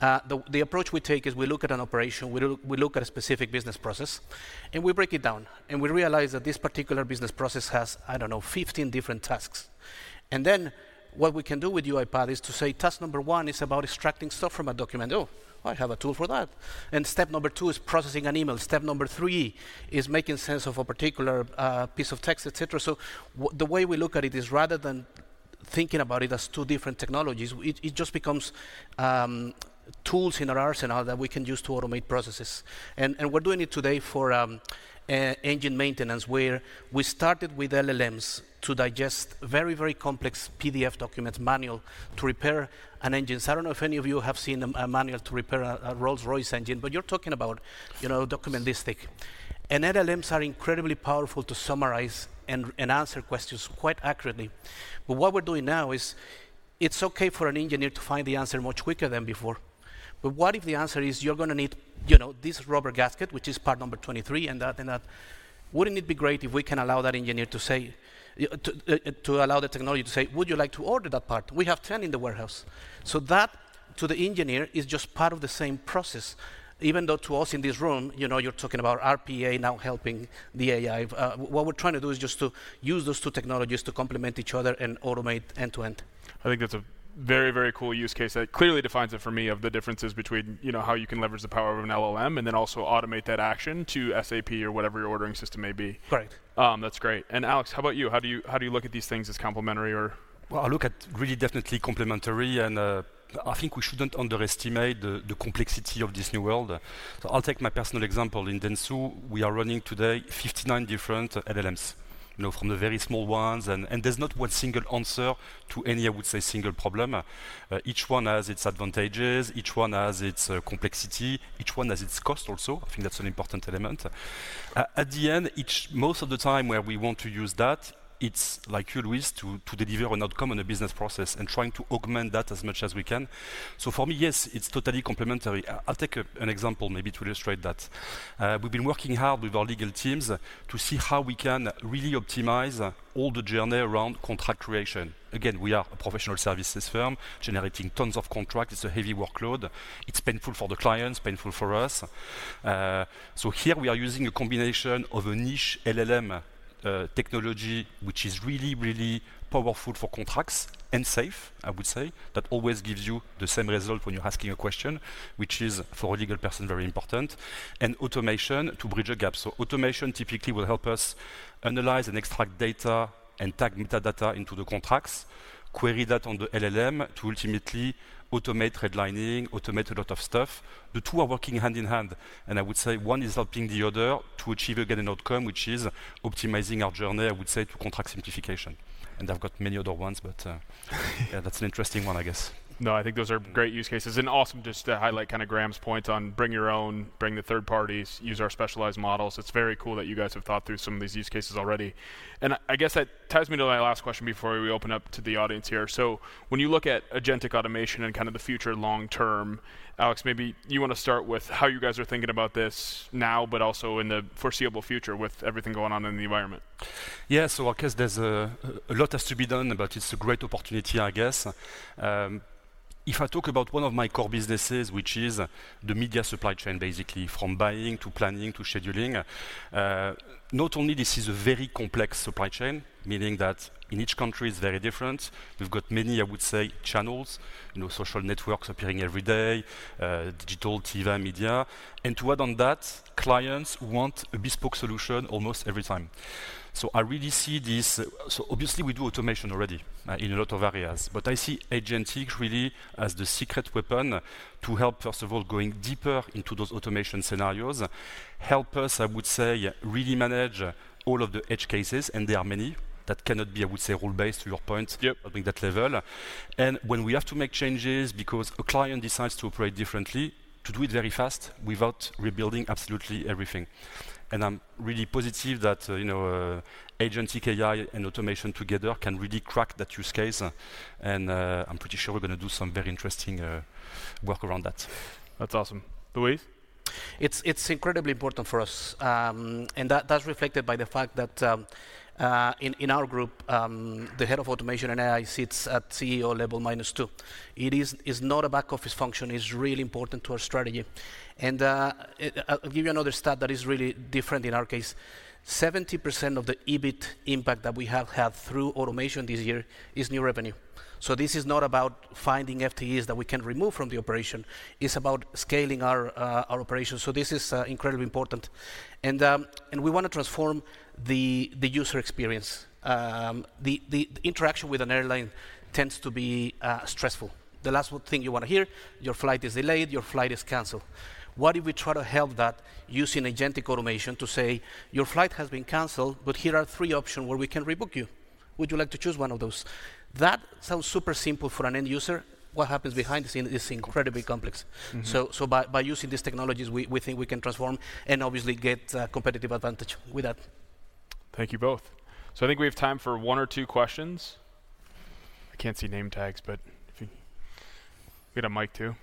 the approach we take is we look at an operation, we look at a specific business process, and we break it down. And we realize that this particular business process has, I don't know, 15 different tasks. And then, what we can do with UiPath is to say, "Task number one is about extracting stuff from a document. Oh, I have a tool for that." And step number two is processing an email. Step number three is making sense of a particular piece of text, et cetera. So the way we look at it is rather than thinking about it as two different technologies, it just becomes tools in our arsenal that we can use to automate processes. We're doing it today for engine maintenance, where we started with LLMs to digest very, very complex PDF documents, manual to repair an engine. So I don't know if any of you have seen a manual to repair a Rolls-Royce engine, but you're talking about, you know, document this thick. LLMs are incredibly powerful to summarize and answer questions quite accurately. But what we're doing now is, it's okay for an engineer to find the answer much quicker than before, but what if the answer is, "You're gonna need, you know, this rubber gasket, which is part number twenty-three, and that and that?" Wouldn't it be great if we can allow that engineer to say, to allow the technology to say, "Would you like to order that part? “We have 10 in the warehouse,” so that, to the engineer, is just part of the same process, even though to us in this room, you know, you're talking about RPA now helping the AI. What we're trying to do is just to use those two technologies to complement each other and automate end-to-end. I think that's a very, very cool use case that clearly defines it for me of the differences between, you know, how you can leverage the power of an LLM and then also automate that action to SAP or whatever your ordering system may be. Right. That's great, and Alex, how about you? How do you look at these things as complementary or- Well, I look at really definitely complementary, and I think we shouldn't underestimate the complexity of this new world, so I'll take my personal example. In Dentsu, we are running today 59 different LLMs, you know, from the very small ones, and there's not one single answer to any, I would say, single problem. Each one has its advantages, each one has its complexity, each one has its cost also. I think that's an important element. At the end, each most of the time where we want to use that, it's like you, Luis, to deliver an outcome and a business process and trying to augment that as much as we can, so for me, yes, it's totally complementary. I'll take an example maybe to illustrate that. We've been working hard with our legal teams to see how we can really optimize all the journey around contract creation. Again, we are a professional services firm generating tons of contracts. It's a heavy workload. It's painful for the clients, painful for us. So here we are using a combination of a niche LLM technology, which is really, really powerful for contracts and safe, I would say. That always gives you the same result when you're asking a question, which is, for a legal person, very important, and automation to bridge a gap. So automation typically will help us analyze and extract data and tag metadata into the contracts, query that on the LLM to ultimately automate redlining, automate a lot of stuff. The two are working hand in hand, and I would say one is helping the other to achieve, again, an outcome, which is optimizing our journey, I would say, to contract simplification. And I've got many other ones, but, yeah, that's an interesting one, I guess. No, I think those are great use cases, and awesome just to highlight kinda Graham's point on bring your own, bring the third parties, use our specialized models. It's very cool that you guys have thought through some of these use cases already, and I guess that ties me to my last question before we open up to the audience here, so when you look at agentic automation and kind of the future long term, Alex, maybe you wanna start with how you guys are thinking about this now, but also in the foreseeable future with everything going on in the environment. Yeah. So of course, there's a lot has to be done, but it's a great opportunity, I guess. If I talk about one of my core businesses, which is the media supply chain, basically from buying, to planning, to scheduling, not only this is a very complex supply chain, meaning that in each country is very different. We've got many, I would say, channels, you know, social networks appearing every day, digital, TV, media. And to add on that, clients want a bespoke solution almost every time. So I really see this, so obviously, we do automation already, in a lot of areas, but I see agentic really as the secret weapon to help, first of all, going deeper into those automation scenarios. Help us, I would say, really manage all of the edge cases, and there are many, that cannot be, I would say, rule-based, to your point- Yep... helping that level. And when we have to make changes because a client decides to operate differently, to do it very fast without rebuilding absolutely everything. And I'm really positive that, you know, agentic AI and automation together can really crack that use case, and, I'm pretty sure we're gonna do some very interesting, work around that. That's awesome. Luis? It's incredibly important for us, and that's reflected by the fact that, in our group, the head of automation and AI sits at CEO level minus two. It's not a back office function. It's really important to our strategy. I'll give you another stat that is really different in our case. 70% of the EBIT impact that we have had through automation this year is new revenue. This is not about finding FTEs that we can remove from the operation. It's about scaling our operations. This is incredibly important. We want to transform the user experience. The interaction with an airline tends to be stressful. The last thing you wanna hear: "Your flight is delayed." "Your flight is canceled." What if we try to help that using agentic automation to say, "Your flight has been canceled, but here are three options where we can rebook you. Would you like to choose one of those?" That sounds super simple for an end user. What happens behind the scenes is incredibly complex. Mm-hmm. By using these technologies, we think we can transform and obviously get a competitive advantage with that. Thank you both. So I think we have time for one or two questions. I can't see name tags, but if you... We got a mic, too. ...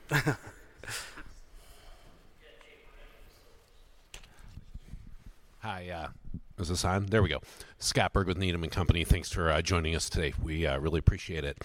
Hi, is this on? There we go. Scott Berg with Needham & Company. Thanks for joining us today. We really appreciate it.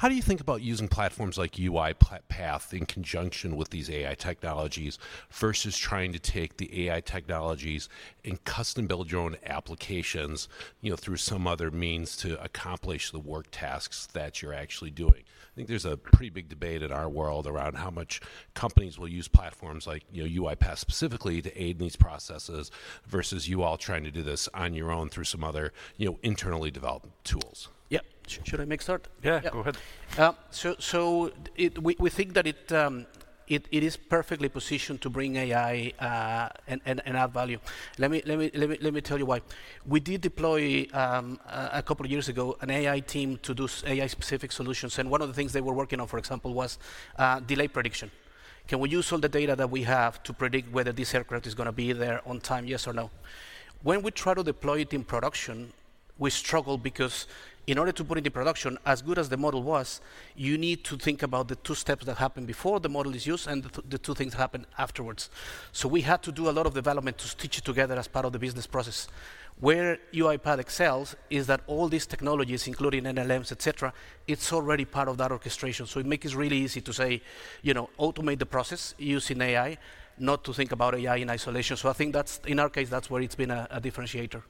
How do you think about using platforms like UiPath in conjunction with these AI technologies versus trying to take the AI technologies and custom build your own applications, you know, through some other means to accomplish the work tasks that you're actually doing? I think there's a pretty big debate in our world around how much companies will use platforms like, you know, UiPath specifically to aid in these processes versus you all trying to do this on your own through some other, you know, internally developed tools. Yep. Should I make start? Yeah, go ahead. Yeah. So we think that it is perfectly positioned to bring AI and add value. Let me tell you why. We did deploy a couple of years ago an AI team to do AI-specific solutions, and one of the things they were working on, for example, was delay prediction. Can we use all the data that we have to predict whether this aircraft is gonna be there on time, yes or no? When we try to deploy it in production, we struggle because in order to put it in production, as good as the model was, you need to think about the two steps that happened before the model is used and the two things that happened afterwards. So we had to do a lot of development to stitch it together as part of the business process. Where UiPath excels is that all these technologies, including LLMs, et cetera, it's already part of that orchestration, so it makes it really easy to say, you know, automate the process using AI, not to think about AI in isolation. So I think that's, in our case, that's where it's been a differentiator.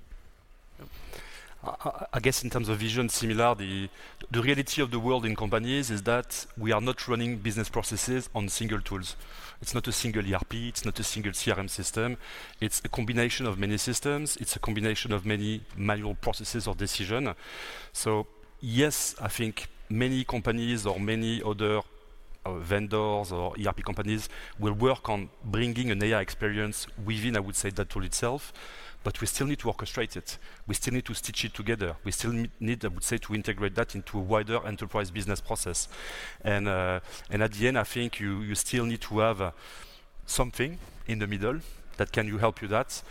I guess in terms of vision, similar, the reality of the world in companies is that we are not running business processes on single tools. It's not a single ERP, it's not a single CRM system. It's a combination of many systems. It's a combination of many manual processes of decision. So yes, I think many companies or many other vendors or ERP companies will work on bringing an AI experience within, I would say, that tool itself, but we still need to orchestrate it. We still need to stitch it together. We still need, I would say, to integrate that into a wider enterprise business process. And at the end, I think you still need to have something in the middle that can help you, that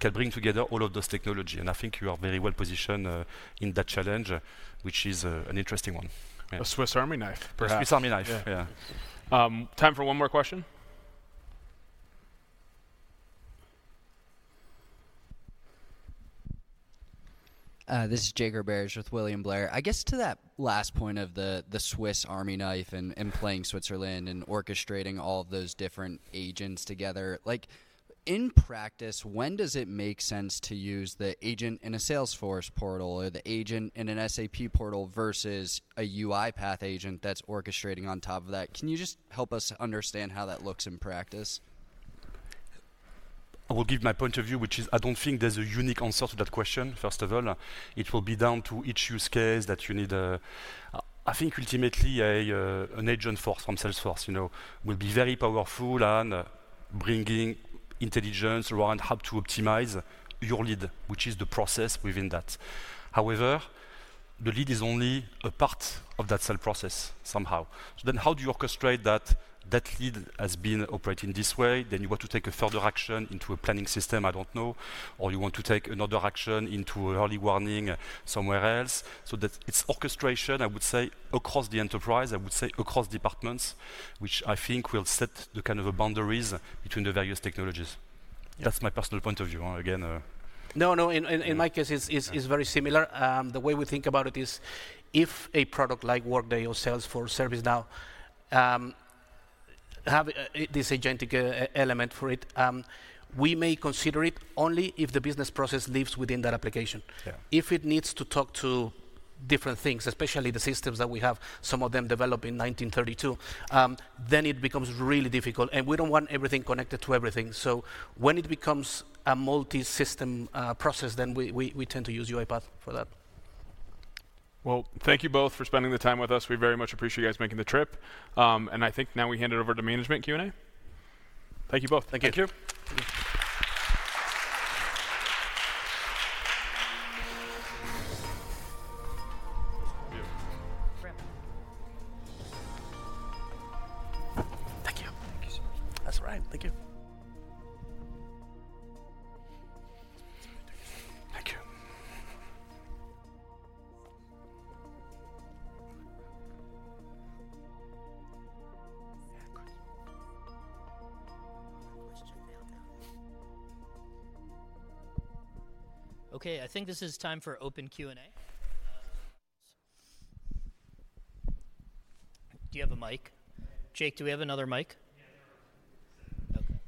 can bring together all of those technology, and I think you are very well positioned in that challenge, which is an interesting one. A Swiss Army knife, perhaps. A Swiss Army knife. Yeah. Yeah. Time for one more question. This is Jake Roberge with William Blair. I guess to that last point of the Swiss Army knife and playing Switzerland and orchestrating all of those different agents together, like, in practice, when does it make sense to use the agent in a Salesforce portal or the agent in an SAP portal versus a UiPath agent that's orchestrating on top of that? Can you just help us understand how that looks in practice? I will give my point of view, which is I don't think there's a unique answer to that question, first of all. It will be down to each use case that you need. I think ultimately, an Agentforce from Salesforce, you know, will be very powerful and bringing intelligence around how to optimize your lead, which is the process within that. However, the lead is only a part of that sale process somehow. So then how do you orchestrate that lead has been operating this way, then you want to take a further action into a planning system, I don't know, or you want to take another action into an early warning somewhere else? So that it's orchestration, I would say, across the enterprise, I would say, across departments, which I think will set the kind of boundaries between the various technologies. Yeah. That's my personal point of view. Again, No, no, in my case, it's very similar. The way we think about it is if a product like Workday or Salesforce, ServiceNow, have this agentic element for it, we may consider it only if the business process lives within that application. Yeah. If it needs to talk to different things, especially the systems that we have, some of them developed in 1932, then it becomes really difficult, and we don't want everything connected to everything. So when it becomes a multi-system process, then we tend to use UiPath for that. Thank you both for spending the time with us. We very much appreciate you guys making the trip. I think now we hand it over to management Q&A. Thank you both. Thank you. Thank you. Thank you. Thank you so much. That's all right. Thank you. Thank you. Okay, I think this is time for open Q&A. Do you have a mic? Jake, do we have another mic? Yeah. Okay.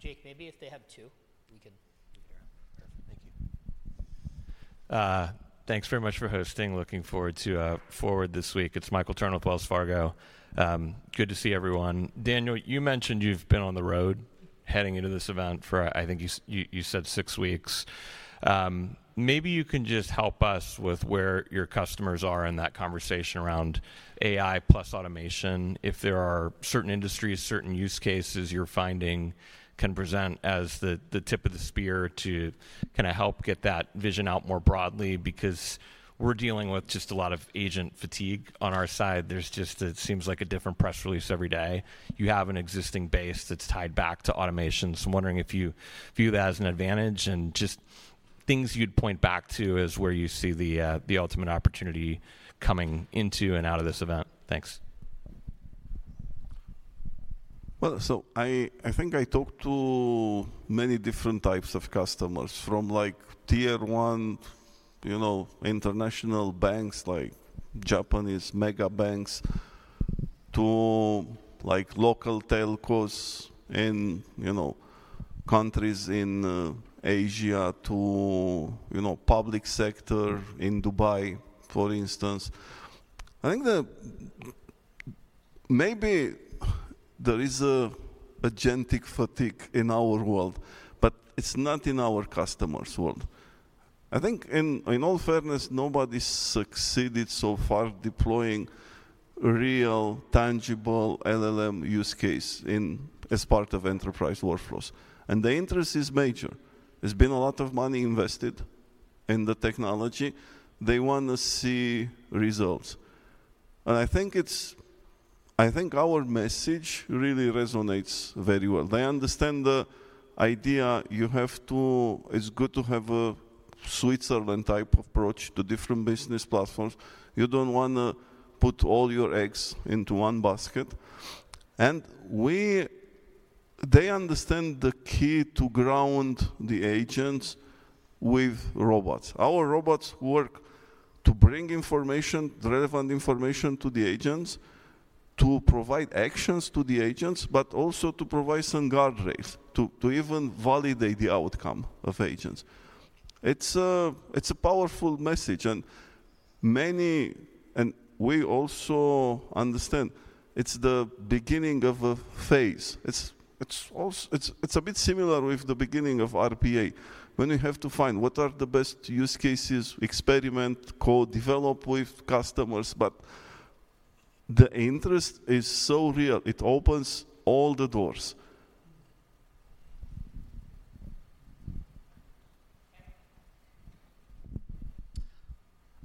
Jake, maybe if they have two, we can do here. Perfect. Thank you. Thanks very much for hosting. Looking forward to Forward this week. It's Michael Turrin with Wells Fargo. Good to see everyone. Daniel, you mentioned you've been on the road heading into this event for, I think, you said six weeks. Maybe you can just help us with where your customers are in that conversation around AI plus automation, if there are certain industries, certain use cases you're finding can present as the tip of the spear to kinda help get that vision out more broadly. Because we're dealing with just a lot of agent fatigue on our side. There's just, it seems like, a different press release every day. You have an existing base that's tied back to automation, so I'm wondering if you view that as an advantage and just-... Things you'd point back to as where you see the ultimate opportunity coming into and out of this event? Thanks. I think I talked to many different types of customers from like Tier 1, you know, international banks, like Japanese megabanks, to like local telcos in, you know, countries in Asia to, you know, public sector in Dubai, for instance. I think the maybe there is a agentic fatigue in our world, but it's not in our customer's world. I think in all fairness, nobody's succeeded so far deploying real, tangible LLM use case in as part of enterprise workflows, and the interest is major. There's been a lot of money invested in the technology. They wanna see results. I think our message really resonates very well. They understand the idea you have to it's good to have a Switzerland-type approach to different business platforms. You don't wanna put all your eggs into one basket. They understand the key to ground the agents with robots. Our robots work to bring information, relevant information, to the agents, to provide actions to the agents, but also to provide some guardrails, to even validate the outcome of agents. It's a powerful message, and many. We also understand it's the beginning of a phase. It's a bit similar with the beginning of RPA, when you have to find what are the best use cases, experiment, co-develop with customers, but the interest is so real, it opens all the doors.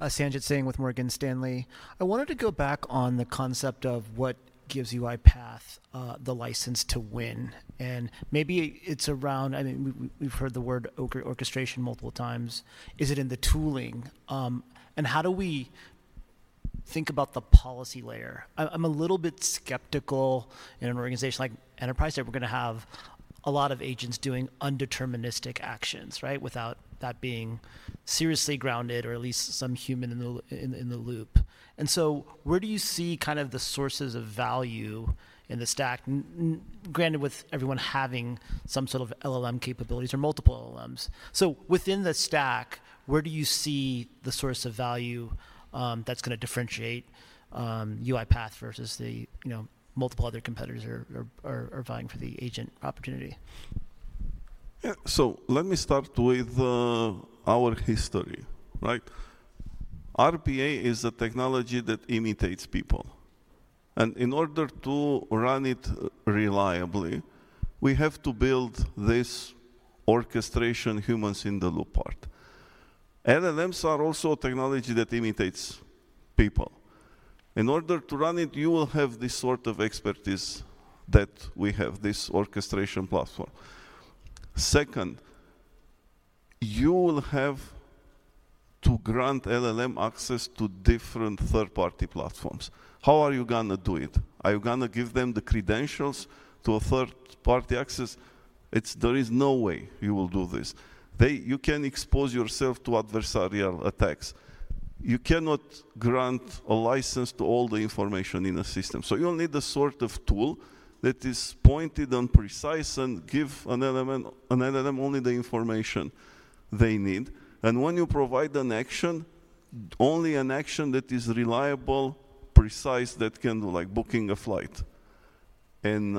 Sanjit Singh with Morgan Stanley. I wanted to go back on the concept of what gives UiPath the license to win, and maybe it's around. I think we've heard the word orchestration multiple times. Is it in the tooling? And how do we think about the policy layer? I'm a little bit skeptical in an organization like Enterprise, that we're gonna have a lot of agents doing non-deterministic actions, right? Without that being seriously grounded or at least some human in the loop. And so where do you see kind of the sources of value in the stack, granted, with everyone having some sort of LLM capabilities or multiple LLMs? So within the stack, where do you see the source of value that's gonna differentiate UiPath versus the, you know, multiple other competitors are vying for the agent opportunity? Yeah. So let me start with our history, right? RPA is a technology that imitates people, and in order to run it reliably, we have to build this orchestration humans-in-the-loop part. LLMs are also a technology that imitates people. In order to run it, you will have this sort of expertise that we have, this orchestration platform. Second, you will have to grant LLM access to different third-party platforms. How are you gonna do it? Are you gonna give them the credentials to a third-party access? There is no way you will do this. You can expose yourself to adversarial attacks. You cannot grant a license to all the information in a system. So you'll need a sort of tool that is pointed and precise and give an LLM, an LLM only the information they need. And when you provide an action, only an action that is reliable, precise, that can do like booking a flight. And,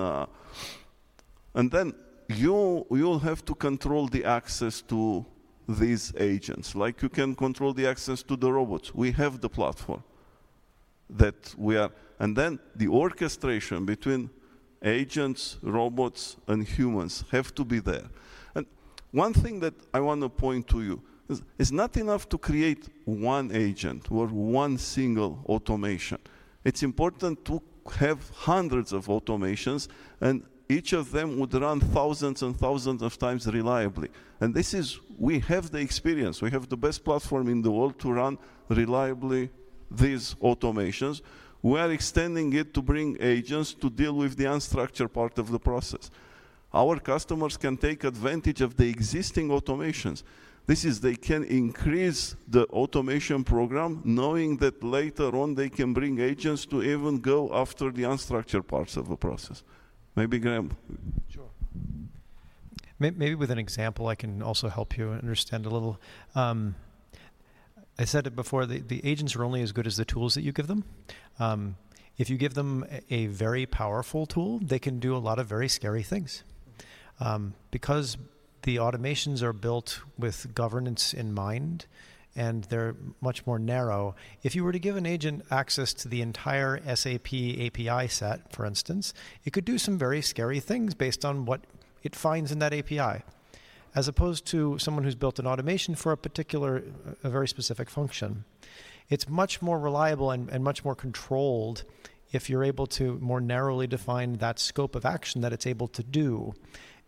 and then you, you'll have to control the access to these agents, like you can control the access to the robots. We have the platform that we are... And then the orchestration between agents, robots, and humans have to be there. And one thing that I want to point to you is, it's not enough to create one agent or one single automation. It's important to have hundreds of automations, and each of them would run thousands and thousands of times reliably. And this is, we have the experience. We have the best platform in the world to run reliably these automations. We are extending it to bring agents to deal with the unstructured part of the process. Our customers can take advantage of the existing automations. This is, they can increase the automation program, knowing that later on, they can bring agents to even go after the unstructured parts of the process. Maybe Graham? Sure. Maybe with an example, I can also help you understand a little. I said it before, the agents are only as good as the tools that you give them. If you give them a very powerful tool, they can do a lot of very scary things. Because the automations are built with governance in mind, and they're much more narrow, if you were to give an agent access to the entire SAP API set, for instance, it could do some very scary things based on what it finds in that API. ... as opposed to someone who's built an automation for a particular, a very specific function. It's much more reliable and much more controlled if you're able to more narrowly define that scope of action that it's able to do.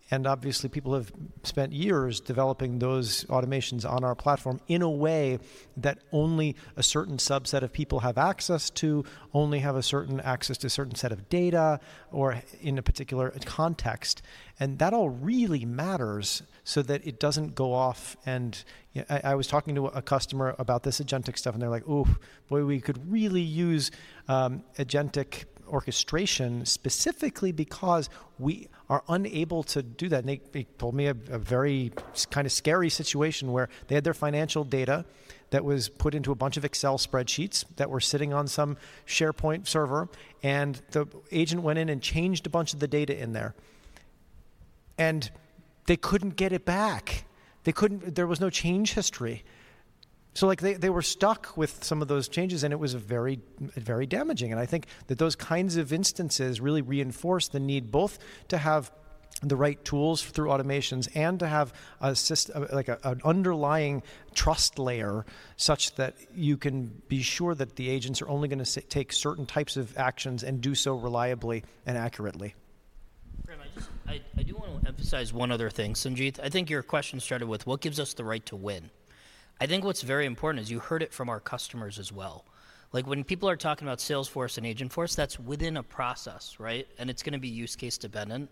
And obviously, people have spent years developing those automations on our platform in a way that only a certain subset of people have access to, only have a certain access to a certain set of data, or in a particular context. That all really matters so that it doesn't go off and I was talking to a customer about this agentic stuff, and they're like, "Oof, boy, we could really use agentic orchestration specifically because we are unable to do that." They told me a very scary situation where they had their financial data that was put into a bunch of Excel spreadsheets that were sitting on some SharePoint server, and the agent went in and changed a bunch of the data in there. They couldn't get it back. They couldn't. There was no change history. Like, they were stuck with some of those changes, and it was a very, very damaging. I think that those kinds of instances really reinforce the need both to have the right tools through automations and to have an underlying trust layer, such that you can be sure that the agents are only gonna take certain types of actions and do so reliably and accurately. Graham, I just do wanna emphasize one other thing. Sanjit, I think your question started with: What gives us the right to win? I think what's very important is you heard it from our customers as well. Like, when people are talking about Salesforce and Agentforce, that's within a process, right? And it's gonna be use case dependent.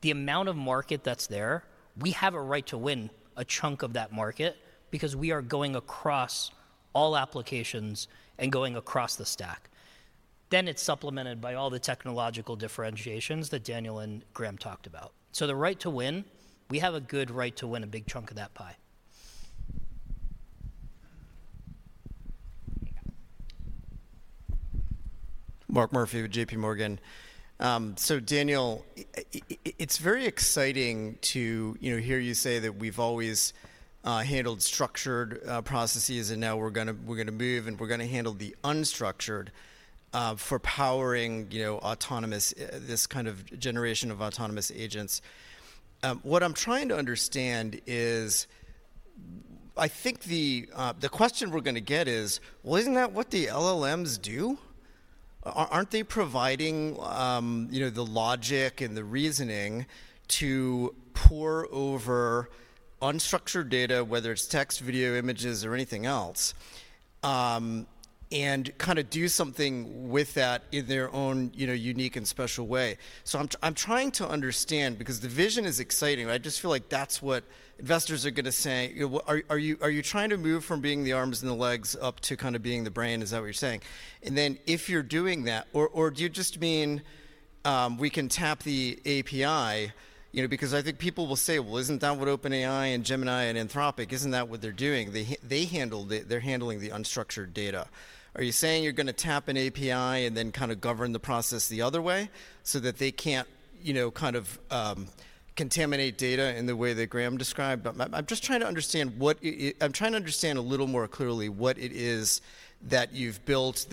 The amount of market that's there, we have a right to win a chunk of that market because we are going across all applications and going across the stack. Then it's supplemented by all the technological differentiations that Daniel and Graham talked about. So the right to win, we have a good right to win a big chunk of that pie. Mark Murphy with J.P. Morgan. So Daniel, it's very exciting to, you know, hear you say that we've always handled structured processes, and now we're gonna, we're gonna move, and we're gonna handle the unstructured for powering, you know, autonomous, this kind of generation of autonomous agents. What I'm trying to understand is, I think the question we're gonna get is: Well, isn't that what the LLMs do? Aren't they providing, you know, the logic and the reasoning to pore over unstructured data, whether it's text, video, images, or anything else, and kinda do something with that in their own, you know, unique and special way? So I'm trying to understand, because the vision is exciting, but I just feel like that's what investors are gonna say. Are you trying to move from being the arms and the legs up to kinda being the brain? Is that what you're saying? And then, if you're doing that, or do you just mean we can tap the API? You know, because I think people will say: Well, isn't that what OpenAI and Gemini and Anthropic, isn't that what they're doing? They're handling the unstructured data. Are you saying you're gonna tap an API and then kinda govern the process the other way so that they can't, you know, kind of contaminate data in the way that Graham described? But I'm just trying to understand what, y-y... I'm trying to understand a little more clearly what it is that you've built.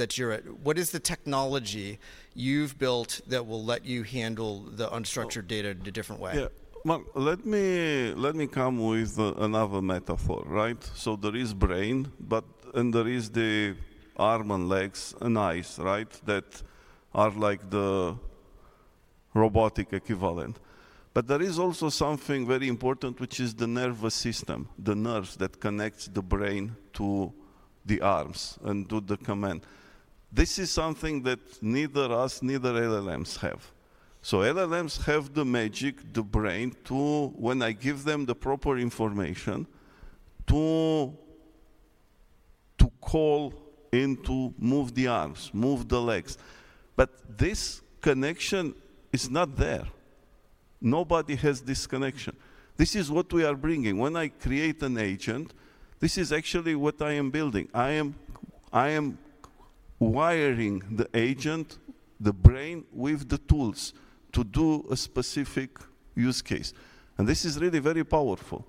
What is the technology you've built that will let you handle the unstructured data in a different way? Yeah. Mark, let me, let me come with a, another metaphor, right? So there is brain, but, and there is the arm and legs and eyes, right? That are like the robotic equivalent. But there is also something very important, which is the nervous system, the nerves that connects the brain to the arms and to the command. This is something that neither us, neither LLMs have. So LLMs have the magic, the brain, to, when I give them the proper information, to, to call in to move the arms, move the legs, but this connection is not there. Nobody has this connection. This is what we are bringing. When I create an agent, this is actually what I am building. I am, I am wiring the agent, the brain, with the tools to do a specific use case, and this is really very powerful.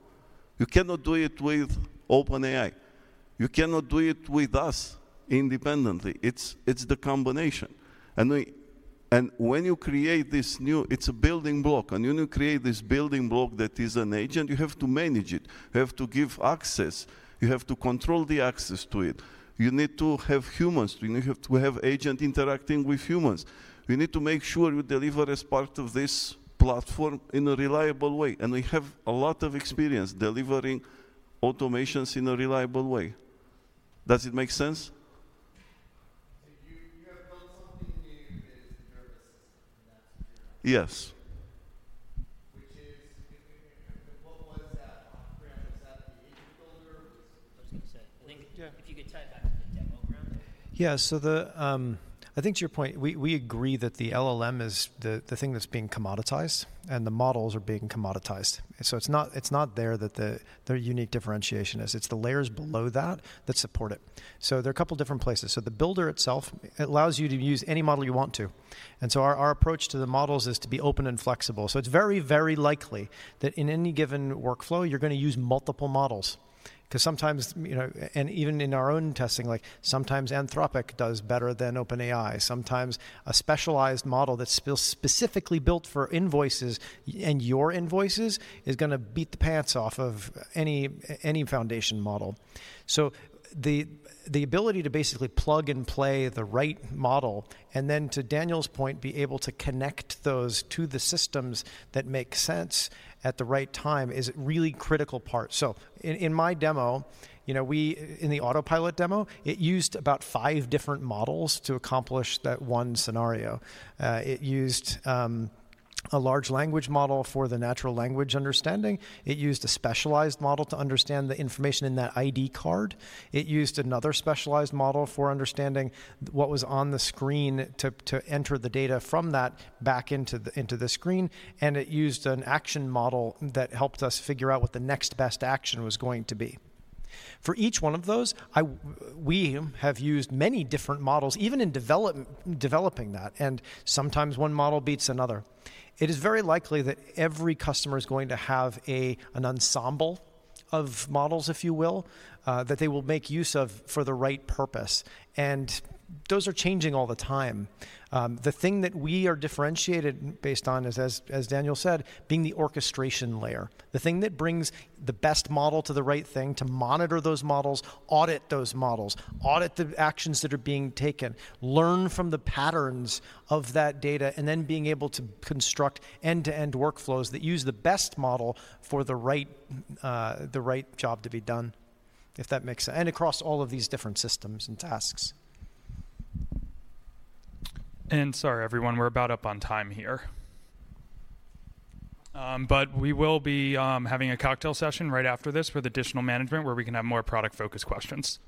You cannot do it with OpenAI. You cannot do it with us independently. It's the combination. And when you create this new, it's a building block, and when you create this building block that is an agent, you have to manage it, you have to give access, you have to control the access to it. You need to have humans. You need to have agent interacting with humans. You need to make sure you deliver as part of this platform in a reliable way, and we have a lot of experience delivering automations in a reliable way. Does it make sense? So you have built something in here that is the nervous system, and that's your- Yes. Which is, what was that?... I think. Yeah. If you could tie it back to the demo ground? Yeah, so I think to your point, we agree that the LLM is the thing that's being commoditized, and the models are being commoditized. So it's not there that their unique differentiation is. It's the layers below that support it. So there are a couple of different places. So the builder itself, it allows you to use any model you want to. And so our approach to the models is to be open and flexible. So it's very, very likely that in any given workflow, you're gonna use multiple models. 'Cause sometimes, you know, and even in our own testing, like sometimes Anthropic does better than OpenAI. Sometimes a specialized model that's specifically built for invoices, and your invoices, is gonna beat the pants off of any foundation model. So the ability to basically plug and play the right model, and then, to Daniel's point, be able to connect those to the systems that make sense at the right time is a really critical part. So in my demo, you know, in the Autopilot demo, it used about five different models to accomplish that one scenario. It used a large language model for the natural language understanding. It used a specialized model to understand the information in that ID card. It used another specialized model for understanding what was on the screen to enter the data from that back into the screen, and it used an action model that helped us figure out what the next best action was going to be. For each one of those, we have used many different models, even in developing that, and sometimes one model beats another. It is very likely that every customer is going to have an ensemble of models, if you will, that they will make use of for the right purpose, and those are changing all the time. The thing that we are differentiated based on is, as Daniel said, being the orchestration layer. The thing that brings the best model to the right thing, to monitor those models, audit those models, audit the actions that are being taken, learn from the patterns of that data, and then being able to construct end-to-end workflows that use the best model for the right the right job to be done, if that makes sense, and across all of these different systems and tasks. Sorry, everyone, we're about up on time here. We will be having a cocktail session right after this with additional management, where we can have more product-focused questions.